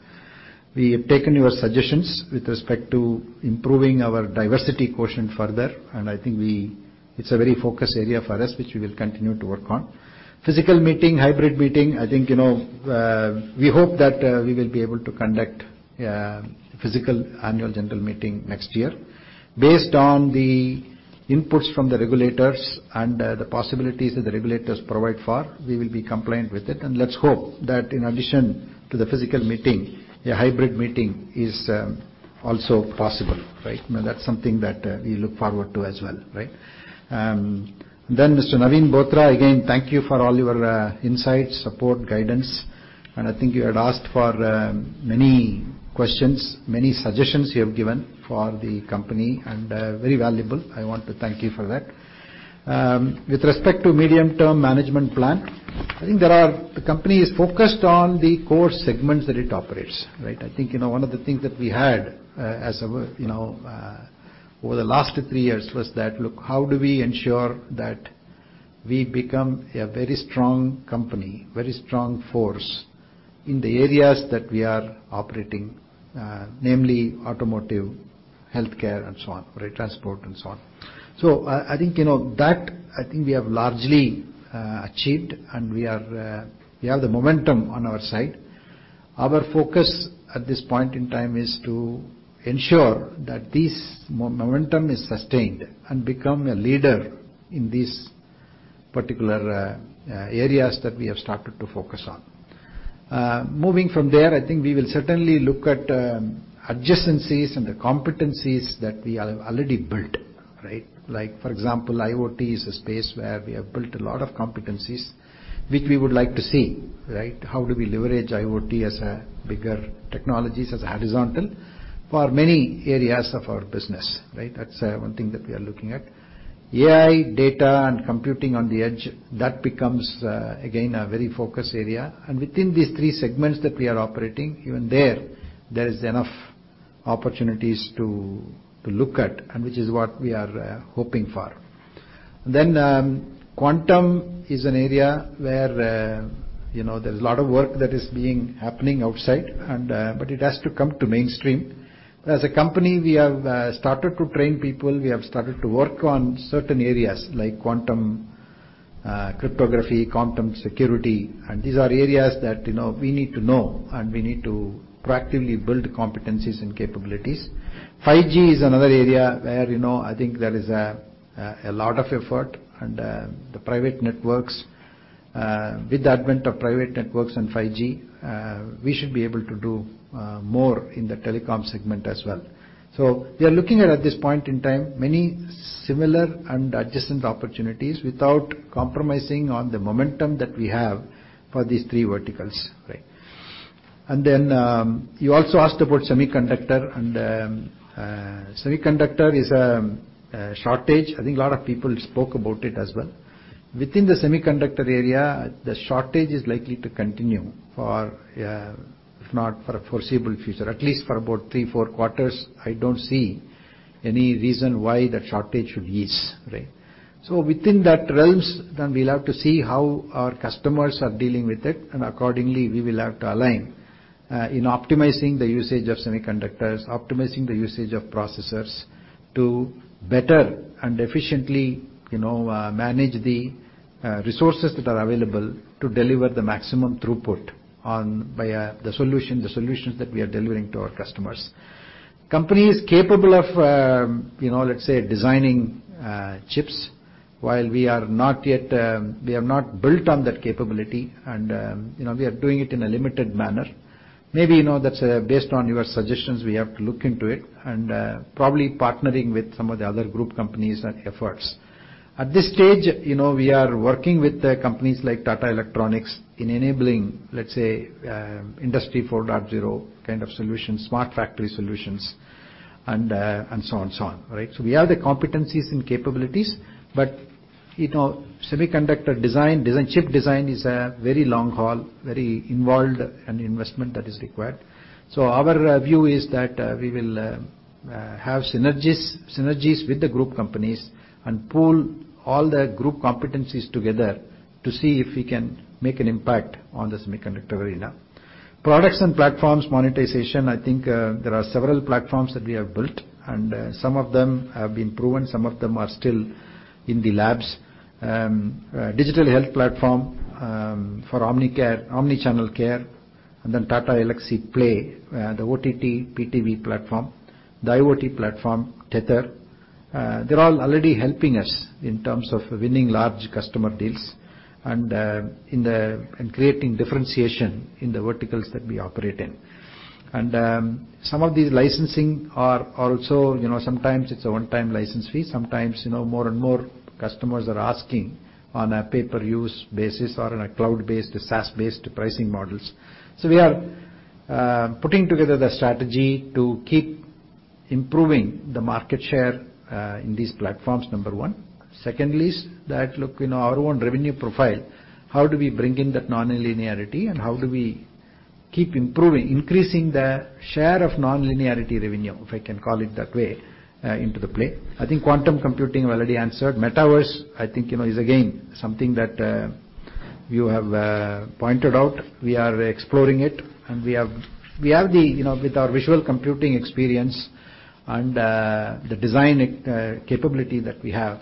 We have taken your suggestions with respect to improving our diversity quotient further, and I think. It's a very focused area for us, which we will continue to work on. Physical meeting, hybrid meeting, I think, you know, we hope that we will be able to conduct a physical annual general meeting next year. Based on the inputs from the regulators and the possibilities that the regulators provide for, we will be compliant with it, and let's hope that in addition to the physical meeting, a hybrid meeting is also possible, right? Now that's something that we look forward to as well, right? Then Mr. Naveen Bothra, again, thank you for all your insights, support, guidance, and I think you had asked for many questions, many suggestions you have given for the company, and very valuable. I want to thank you for that. With respect to medium-term management plan, I think there are. The company is focused on the core segments that it operates, right? I think, you know, one of the things that we had as our, you know, over the last three years was that, look, how do we ensure that we become a very strong company, very strong force in the areas that we are operating, namely automotive, healthcare, and so on, right, transport and so on. I think we have largely achieved and we have the momentum on our side. Our focus at this point in time is to ensure that this momentum is sustained and become a leader in these particular areas that we have started to focus on. Moving from there, I think we will certainly look at adjacencies and the competencies that we have already built, right? Like for example, IoT is a space where we have built a lot of competencies, which we would like to see, right? How do we leverage IoT as a bigger technologies, as a horizontal for many areas of our business, right? That's one thing that we are looking at. AI, data, and computing on the edge, that becomes again a very focused area. Within these three segments that we are operating, even there is enough opportunities to look at and which is what we are hoping for. Quantum is an area where you know, there's a lot of work that is being happening outside and but it has to come to mainstream. As a company, we have started to train people. We have started to work on certain areas like quantum, cryptography, quantum security, and these are areas that, you know, we need to know, and we need to proactively build competencies and capabilities. 5G is another area where, you know, I think there is a lot of effort, and the private networks. With the advent of private networks and 5G, we should be able to do more in the telecom segment as well. We are looking at this point in time, many similar and adjacent opportunities without compromising on the momentum that we have for these three verticals. Right? You also asked about semiconductor, and semiconductor is a shortage. I think a lot of people spoke about it as well. Within the semiconductor area, the shortage is likely to continue for a. If not for a foreseeable future, at least for about three, four quarters, I don't see any reason why that shortage should ease, right? Within that realm, then we'll have to see how our customers are dealing with it, and accordingly, we will have to align in optimizing the usage of semiconductors, optimizing the usage of processors to better and efficiently, you know, manage the resources that are available to deliver the maximum throughput on via the solution, the solutions that we are delivering to our customers. Company is capable of, you know, let's say, designing chips while we are not yet, we have not built on that capability and, you know, we are doing it in a limited manner. Maybe, you know, that's based on your suggestions, we have to look into it and probably partnering with some of the other group companies and efforts. At this stage, you know, we are working with the companies like Tata Electronics in enabling, let's say, Industry 4.0 kind of solutions, smart factory solutions, and so on and so on, right? We have the competencies and capabilities, but, you know, semiconductor design, chip design is a very long haul, very involved and investment that is required. Our view is that we will have synergies with the group companies and pool all the group competencies together to see if we can make an impact on the semiconductor arena. Products and platforms monetization, I think, there are several platforms that we have built, and, some of them have been proven, some of them are still in the labs. Digital health platform, for omni-channel care, and then TEPlay, the OTT, IPTV platform, the IoT platform, TETHER. They're all already helping us in terms of winning large customer deals and creating differentiation in the verticals that we operate in. Some of these licensing are also, you know, sometimes it's a one-time license fee. Sometimes, you know, more and more customers are asking on a pay per use basis or on a cloud-based, a SaaS-based pricing models. We are putting together the strategy to keep improving the market share in these platforms, number one. Secondly, look, you know, our own revenue profile, how do we bring in that nonlinearity and how do we keep improving, increasing the share of nonlinearity revenue, if I can call it that way, into the play? I think quantum computing, I've already answered. Metaverse, I think, you know, is again, something that you have pointed out. We are exploring it, and we have. You know, with our visual computing experience and the design capability that we have,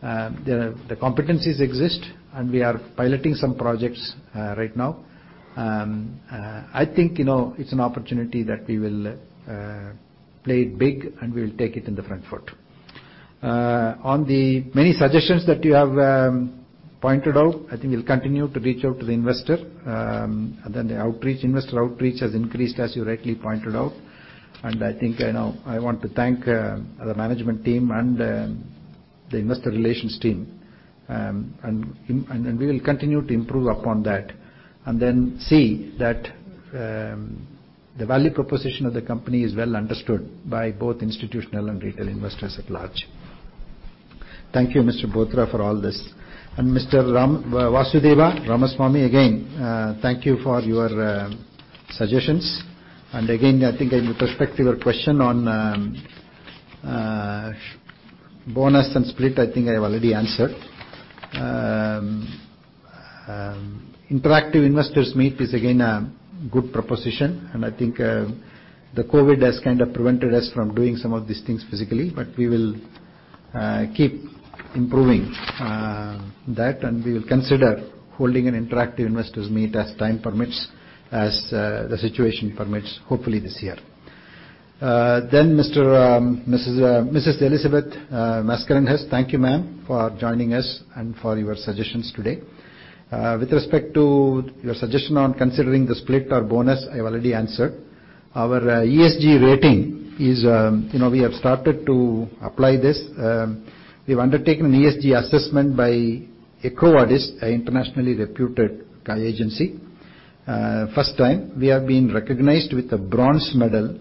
the competencies exist, and we are piloting some projects right now. I think, you know, it's an opportunity that we will play it big, and we will take it on the front foot. On the many suggestions that you have pointed out, I think we'll continue to reach out to the investor. The outreach, investor outreach has increased, as you rightly pointed out, and I think, you know, I want to thank the management team and the investor relations team. We will continue to improve upon that and then see that the value proposition of the company is well understood by both institutional and retail investors at large. Thank you, Mr. Bothra, for all this. Mr. Vasudeva Ramaswamy, again, thank you for your suggestions. Again, I think with respect to your question on bonus and split, I think I've already answered. Interactive investors meet is again a good proposition, and I think the COVID has kind of prevented us from doing some of these things physically, but we will keep improving that, and we will consider holding an interactive investors meet as time permits, as the situation permits, hopefully this year. Mrs. Elizabeth Mascarenhas, thank you, ma'am, for joining us and for your suggestions today. With respect to your suggestion on considering the split or bonus, I've already answered. Our ESG rating is, you know, we have started to apply this. We've undertaken an ESG assessment by EcoVadis, an internationally reputed agency. First time we have been recognized with a bronze medal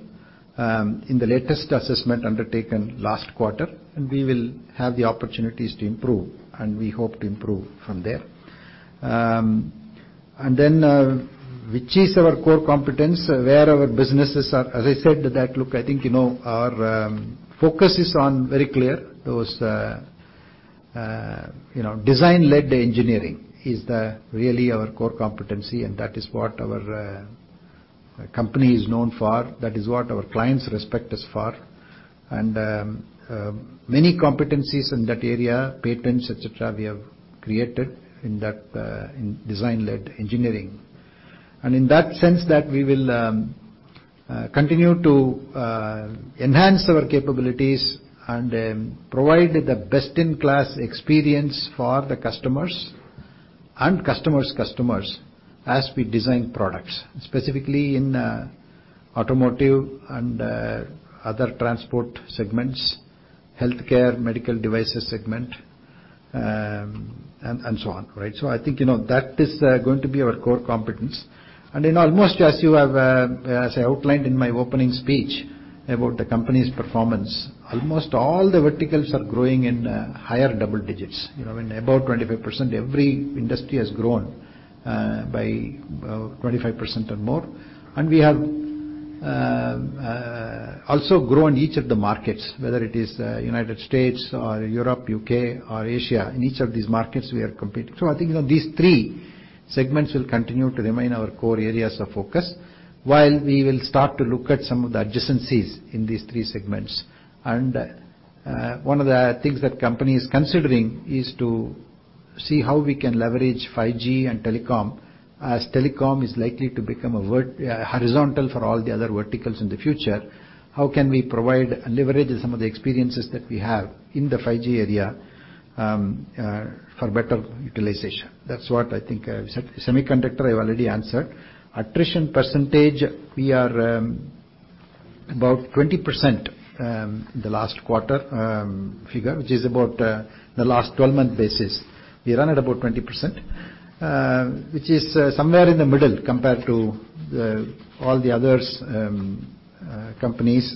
in the latest assessment undertaken last quarter, and we will have the opportunities to improve, and we hope to improve from there. Which is our core competence, where our businesses are, as I said, I think, you know, our focus is very clear. Those, you know, design-led engineering is really our core competency, and that is what our company is known for, that is what our clients respect us for. Many competencies in that area, patents, et cetera, we have created in that, in design-led engineering. In that sense that we will continue to enhance our capabilities and then provide the best-in-class experience for the customers and customer's customers as we design products, specifically in automotive and other transport segments, healthcare, medical devices segment, and so on, right? I think, you know, that is going to be our core competence. In almost all, as you have as I outlined in my opening speech about the company's performance, almost all the verticals are growing in higher double digits. You know, I mean, about 25%, every industry has grown by, well, 25% or more. We have also grown each of the markets, whether it is United States or Europe, UK or Asia. In each of these markets we are competing. I think, you know, these three segments will continue to remain our core areas of focus, while we will start to look at some of the adjacencies in these three segments. One of the things that company is considering is to see how we can leverage 5G and telecom, as telecom is likely to become a horizontal for all the other verticals in the future. How can we provide and leverage some of the experiences that we have in the 5G area for better utilization? That's what I think I said. Semiconductor, I've already answered. Attrition percentage, we are about 20% in the last quarter figure, which is about the last 12-month basis. We run at about 20%, which is somewhere in the middle compared to the all the others' companies.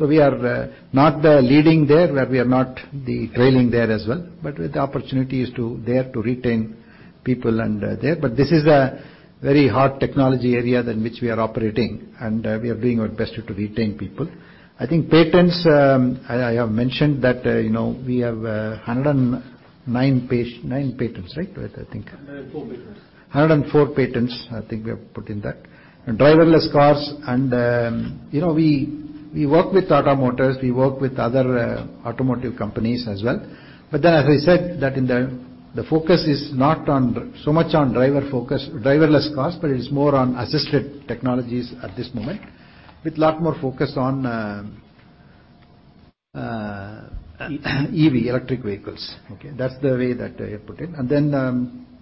We are not the leading there, but we are not the trailing there as well. With the opportunities there to retain people and there. This is a very hot technology area in which we are operating, and we are doing our best to retain people. I think patents, I have mentioned that, you know, we have 109 patents, right? What I think. 104 patents, I think we have put in that. Driverless cars and, you know, we work with automakers, we work with other automotive companies as well. As I said, the focus is not on so much on driverless cars, but it's more on assisted technologies at this moment, with a lot more focus on EV, electric vehicles. Okay? That's the way that I put it.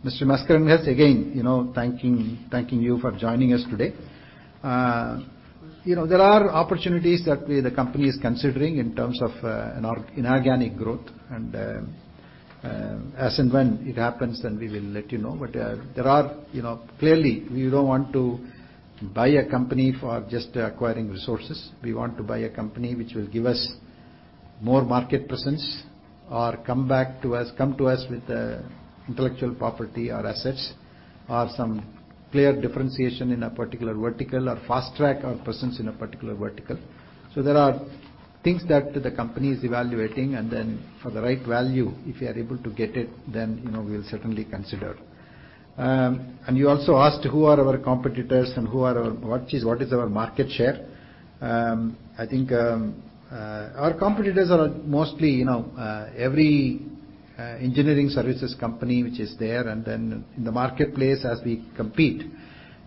Mr. Mascarenhas, again, you know, thanking you for joining us today. You know, there are opportunities that we, the company is considering in terms of an inorganic growth and, as and when it happens then we will let you know. There are, you know. Clearly, we don't want to buy a company for just acquiring resources. We want to buy a company which will give us more market presence or come to us with intellectual property or assets, or some clear differentiation in a particular vertical or fast track our presence in a particular vertical. There are things that the company is evaluating, and then for the right value, if we are able to get it, then, you know, we'll certainly consider. You also asked who are our competitors and what is our market share. I think our competitors are mostly, you know, every engineering services company which is there. Then in the marketplace, as we compete,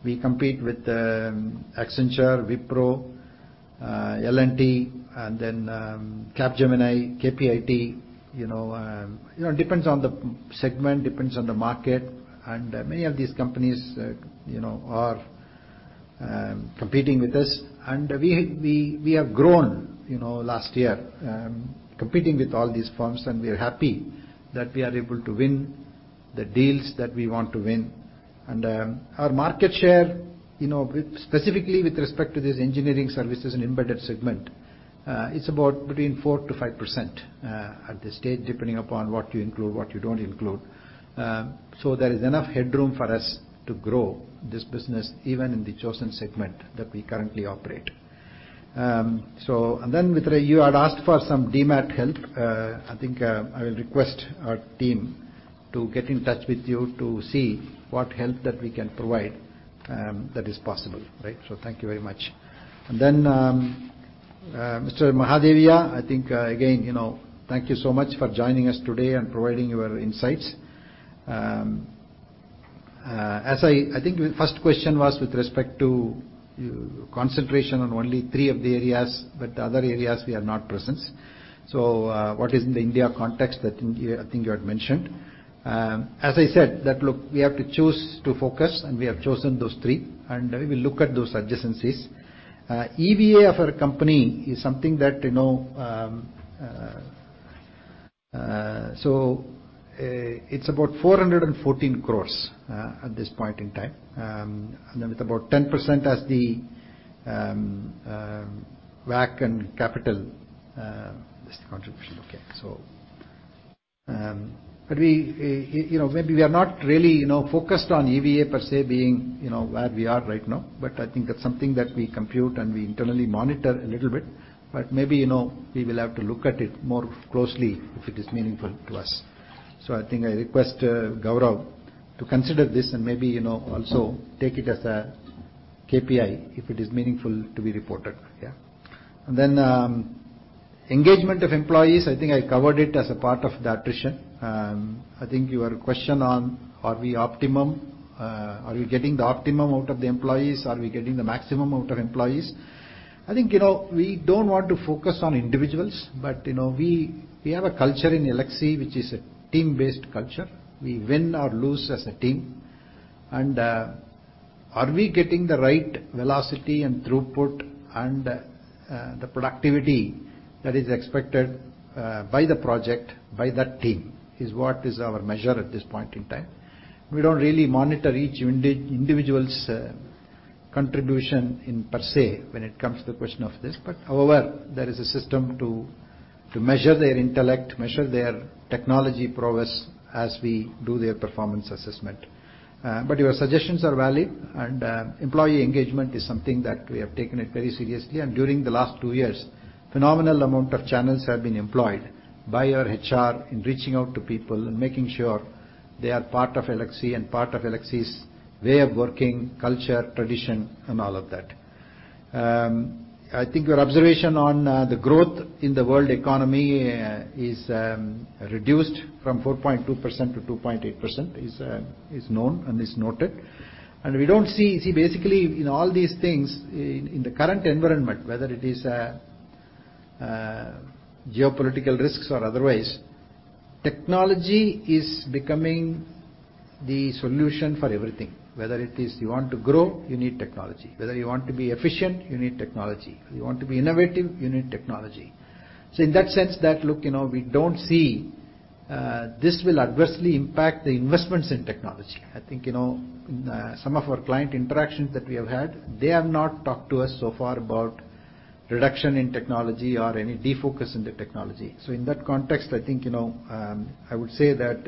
we compete with Accenture, Wipro, L&T, and then Capgemini, KPIT. You know, it depends on the segment, depends on the market, and many of these companies, you know, are competing with us. We have grown, you know, last year, competing with all these firms, and we're happy that we are able to win the deals that we want to win. Our market share, you know, with specifically with respect to these engineering services and embedded segment, it's about between 4%-5%, at this stage, depending upon what you include, what you don't include. There is enough headroom for us to grow this business even in the chosen segment that we currently operate. And then, Mithra, you had asked for some Demat help. I think I will request our team to get in touch with you to see what help that we can provide, that is possible. Right? Thank you very much. Mr. Mahadevia, I think again, you know, thank you so much for joining us today and providing your insights. I think the first question was with respect to your concentration on only three of the areas, but other areas we are not present. What is in the India context I think you had mentioned. As I said, look, we have to choose to focus, and we have chosen those three, and we will look at those adjacencies. EVA of our company is something that, you know, it's about 414 crore at this point in time. With about 10% as the WACC and capital as the contribution. Okay. We, you know, maybe we are not really, you know, focused on EVA per se being, you know, where we are right now. I think that's something that we compute and we internally monitor a little bit. Maybe, you know, we will have to look at it more closely if it is meaningful to us. I think I request Gaurav to consider this and maybe, you know, also take it as a KPI if it is meaningful to be reported. Yeah. Engagement of employees, I think I covered it as a part of the attrition. I think your question on are we optimum, are we getting the optimum out of the employees? Are we getting the maximum out of employees? I think, you know, we don't want to focus on individuals, but, you know, we have a culture in Elxsi, which is a team-based culture. We win or lose as a team. Are we getting the right velocity and throughput and the productivity that is expected by the project, by that team is what is our measure at this point in time. We don't really monitor each individual's contribution in per se when it comes to the question of this. However, there is a system to measure their intellect, measure their technology prowess as we do their performance assessment. Your suggestions are valid, and employee engagement is something that we have taken it very seriously. During the last two years, phenomenal amount of channels have been employed by our HR in reaching out to people and making sure they are part of Elxsi and part of Elxsi's way of working, culture, tradition, and all of that. I think your observation on the growth in the world economy is reduced from 4.2% to 2.8% is known and is noted. We don't see. Basically in all these things in the current environment, whether it is geopolitical risks or otherwise, technology is becoming the solution for everything. Whether it is you want to grow, you need technology. Whether you want to be efficient, you need technology. You want to be innovative, you need technology. In that sense, you know, we don't see this will adversely impact the investments in technology. I think, you know, some of our client interactions that we have had, they have not talked to us so far about reduction in technology or any defocus in the technology. In that context, I think, you know, I would say that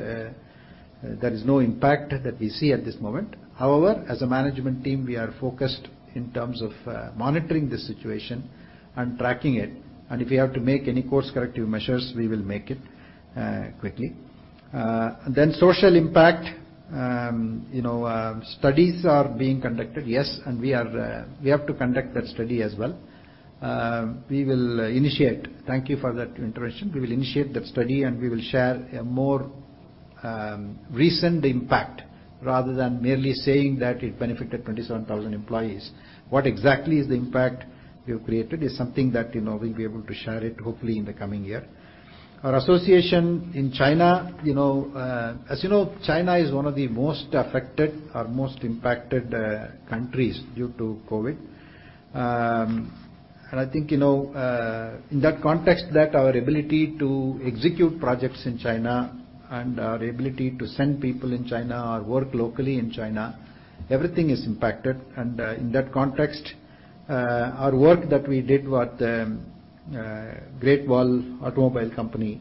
there is no impact that we see at this moment. However, as a management team, we are focused in terms of monitoring the situation and tracking it, and if we have to make any course corrective measures, we will make it quickly. Social impact, you know, studies are being conducted. Yes, and we have to conduct that study as well. We will initiate. Thank you for that intervention. We will initiate that study, and we will share a more recent impact rather than merely saying that it benefited 27,000 employees. What exactly is the impact we have created is something that, you know, we'll be able to share it hopefully in the coming year. Our association in China, you know, as you know, China is one of the most affected or most impacted countries due to COVID. I think, you know, in that context that our ability to execute projects in China and our ability to send people in China or work locally in China, everything is impacted. In that context, our work that we did with Great Wall Motor Company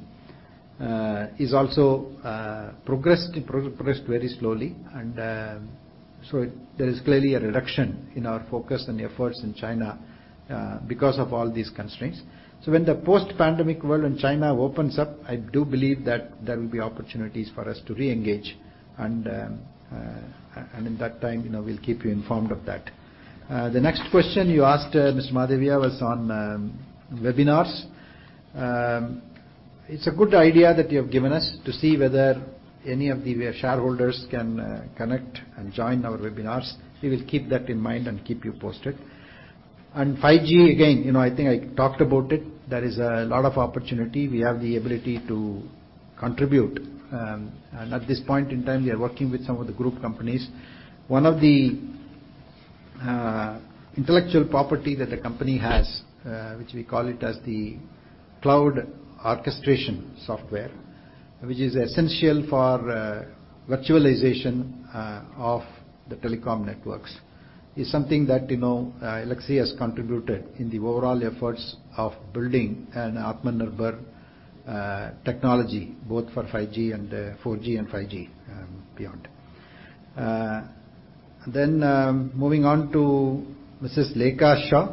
is also progressed very slowly. There is clearly a reduction in our focus and efforts in China because of all these constraints. When the post-pandemic world in China opens up, I do believe that there will be opportunities for us to reengage, and in that time, you know, we'll keep you informed of that. The next question you asked, Mr. Mahadevia, was on webinars. It's a good idea that you have given us to see whether any of the shareholders can connect and join our webinars. We will keep that in mind and keep you posted. 5G, again, you know, I think I talked about it. There is a lot of opportunity. We have the ability to contribute. And at this point in time, we are working with some of the group companies. One of the intellectual property that the company has, which we call it as the cloud orchestration software, which is essential for virtualization of the telecom networks, is something that, you know, Elxsi has contributed in the overall efforts of building an Atmanirbhar technology both for 5G and 4G and 5G and beyond. Moving on to Mrs. Lekha Shah.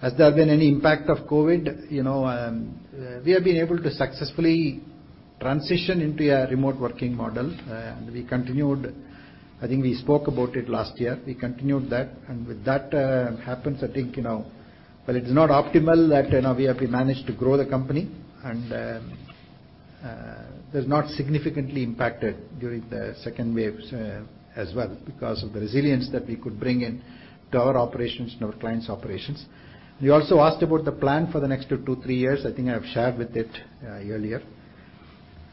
Has there been any impact of COVID? You know, we have been able to successfully transition into a remote working model. We continued. I think we spoke about it last year. We continued that, and with that happens, I think, you know. It's not optimal that, you know, we have managed to grow the company and was not significantly impacted during the second wave as well because of the resilience that we could bring in to our operations and our clients' operations. You also asked about the plan for the next two to three years. I think I've shared with it earlier.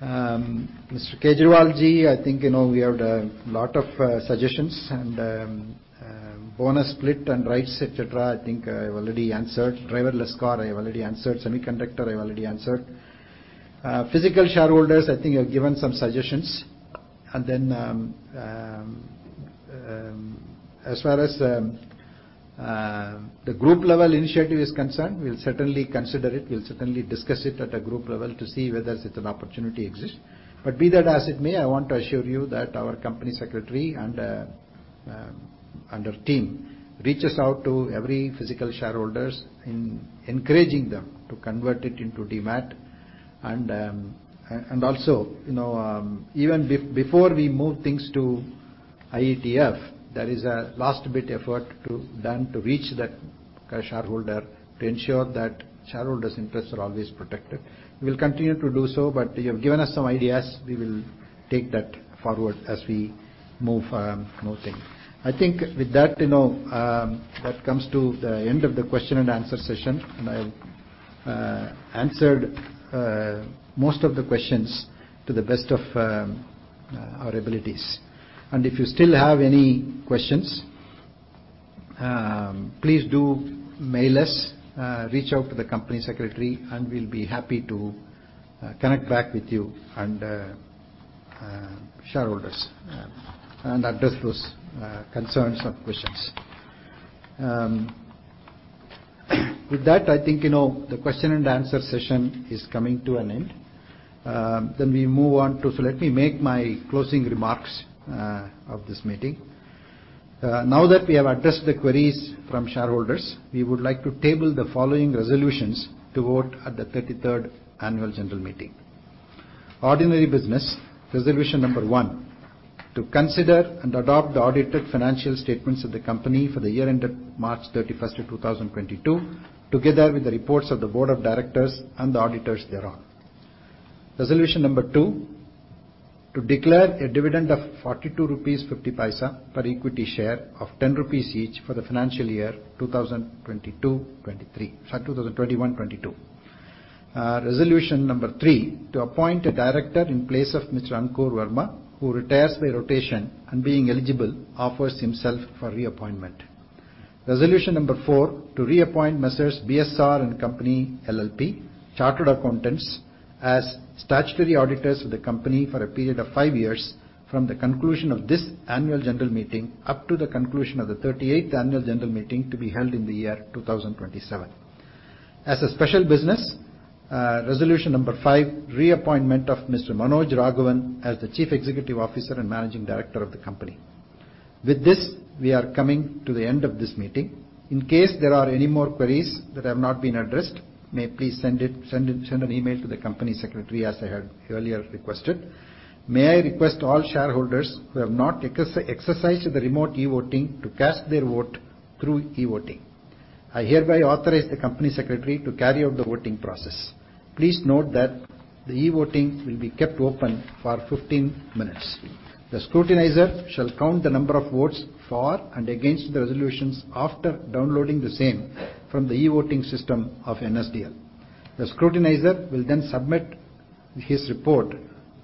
Mr. Kejriwalji, I think you know we have a lot of suggestions and bonus split and rights, et cetera, I think I already answered. Driverless car, I already answered. Semiconductor, I already answered. Physical shareholders, I think you've given some suggestions. As far as the group level initiative is concerned, we'll certainly consider it. We'll certainly discuss it at a group level to see whether it's an opportunity exists. I want to assure you that our company secretary and our team reaches out to every physical shareholders by encouraging them to convert it into Demat. Also, even before we move things to IEPF, there is a last-ditch effort to do to reach that shareholder to ensure that shareholders' interests are always protected. We'll continue to do so, but you have given us some ideas. We will take that forward as we move things. I think with that, you know, that comes to the end of the question and answer session, and I answered most of the questions to the best of our abilities. If you still have any questions, please do mail us, reach out to the company secretary, and we'll be happy to connect back with you and shareholders and address those concerns or questions. With that, I think, you know, the question and answer session is coming to an end. Let me make my closing remarks of this meeting. Now that we have addressed the queries from shareholders, we would like to table the following resolutions to vote at the 33rd annual general meeting. Ordinary business, resolution number one, to consider and adopt the audited financial statements of the company for the year ended March 31st, 2022, together with the reports of the board of directors and the auditors thereon. Resolution number two, to declare a dividend of 42.50 rupees per equity share of 10 rupees each for the financial year 2021/2022. Resolution number three, to appoint a director in place of Mr. Ankur Verma, who retires by rotation and being eligible offers himself for reappointment. Resolution number four, to reappoint Messrs BSR & Co., LLP, chartered accountants as statutory auditors of the company for a period of five years from the conclusion of this annual general meeting up to the conclusion of the 38th annual general meeting to be held in the year 2027. As a special business, resolution number five, reappointment of Mr. Manoj Raghavan as the Chief Executive Officer and Managing Director of the company. With this, we are coming to the end of this meeting. In case there are any more queries that have not been addressed, may you please send an email to the company secretary as I had earlier requested. May I request all shareholders who have not exercised the remote e-voting to cast their vote through e-voting. I hereby authorize the company secretary to carry out the voting process. Please note that the e-voting will be kept open for 15 minutes. The scrutinizer shall count the number of votes for and against the resolutions after downloading the same from the e-voting system of NSDL. The scrutinizer will then submit his report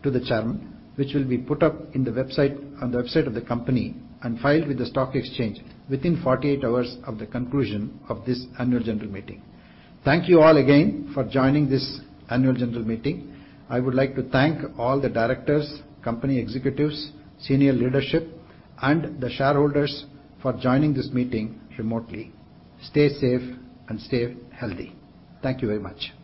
to the chairman, which will be put up on the website of the company and filed with the stock exchange within 48 hours of the conclusion of this annual general meeting. Thank you all again for joining this annual general meeting. I would like to thank all the directors, company executives, senior leadership, and the shareholders for joining this meeting remotely. Stay safe and stay healthy. Thank you very much.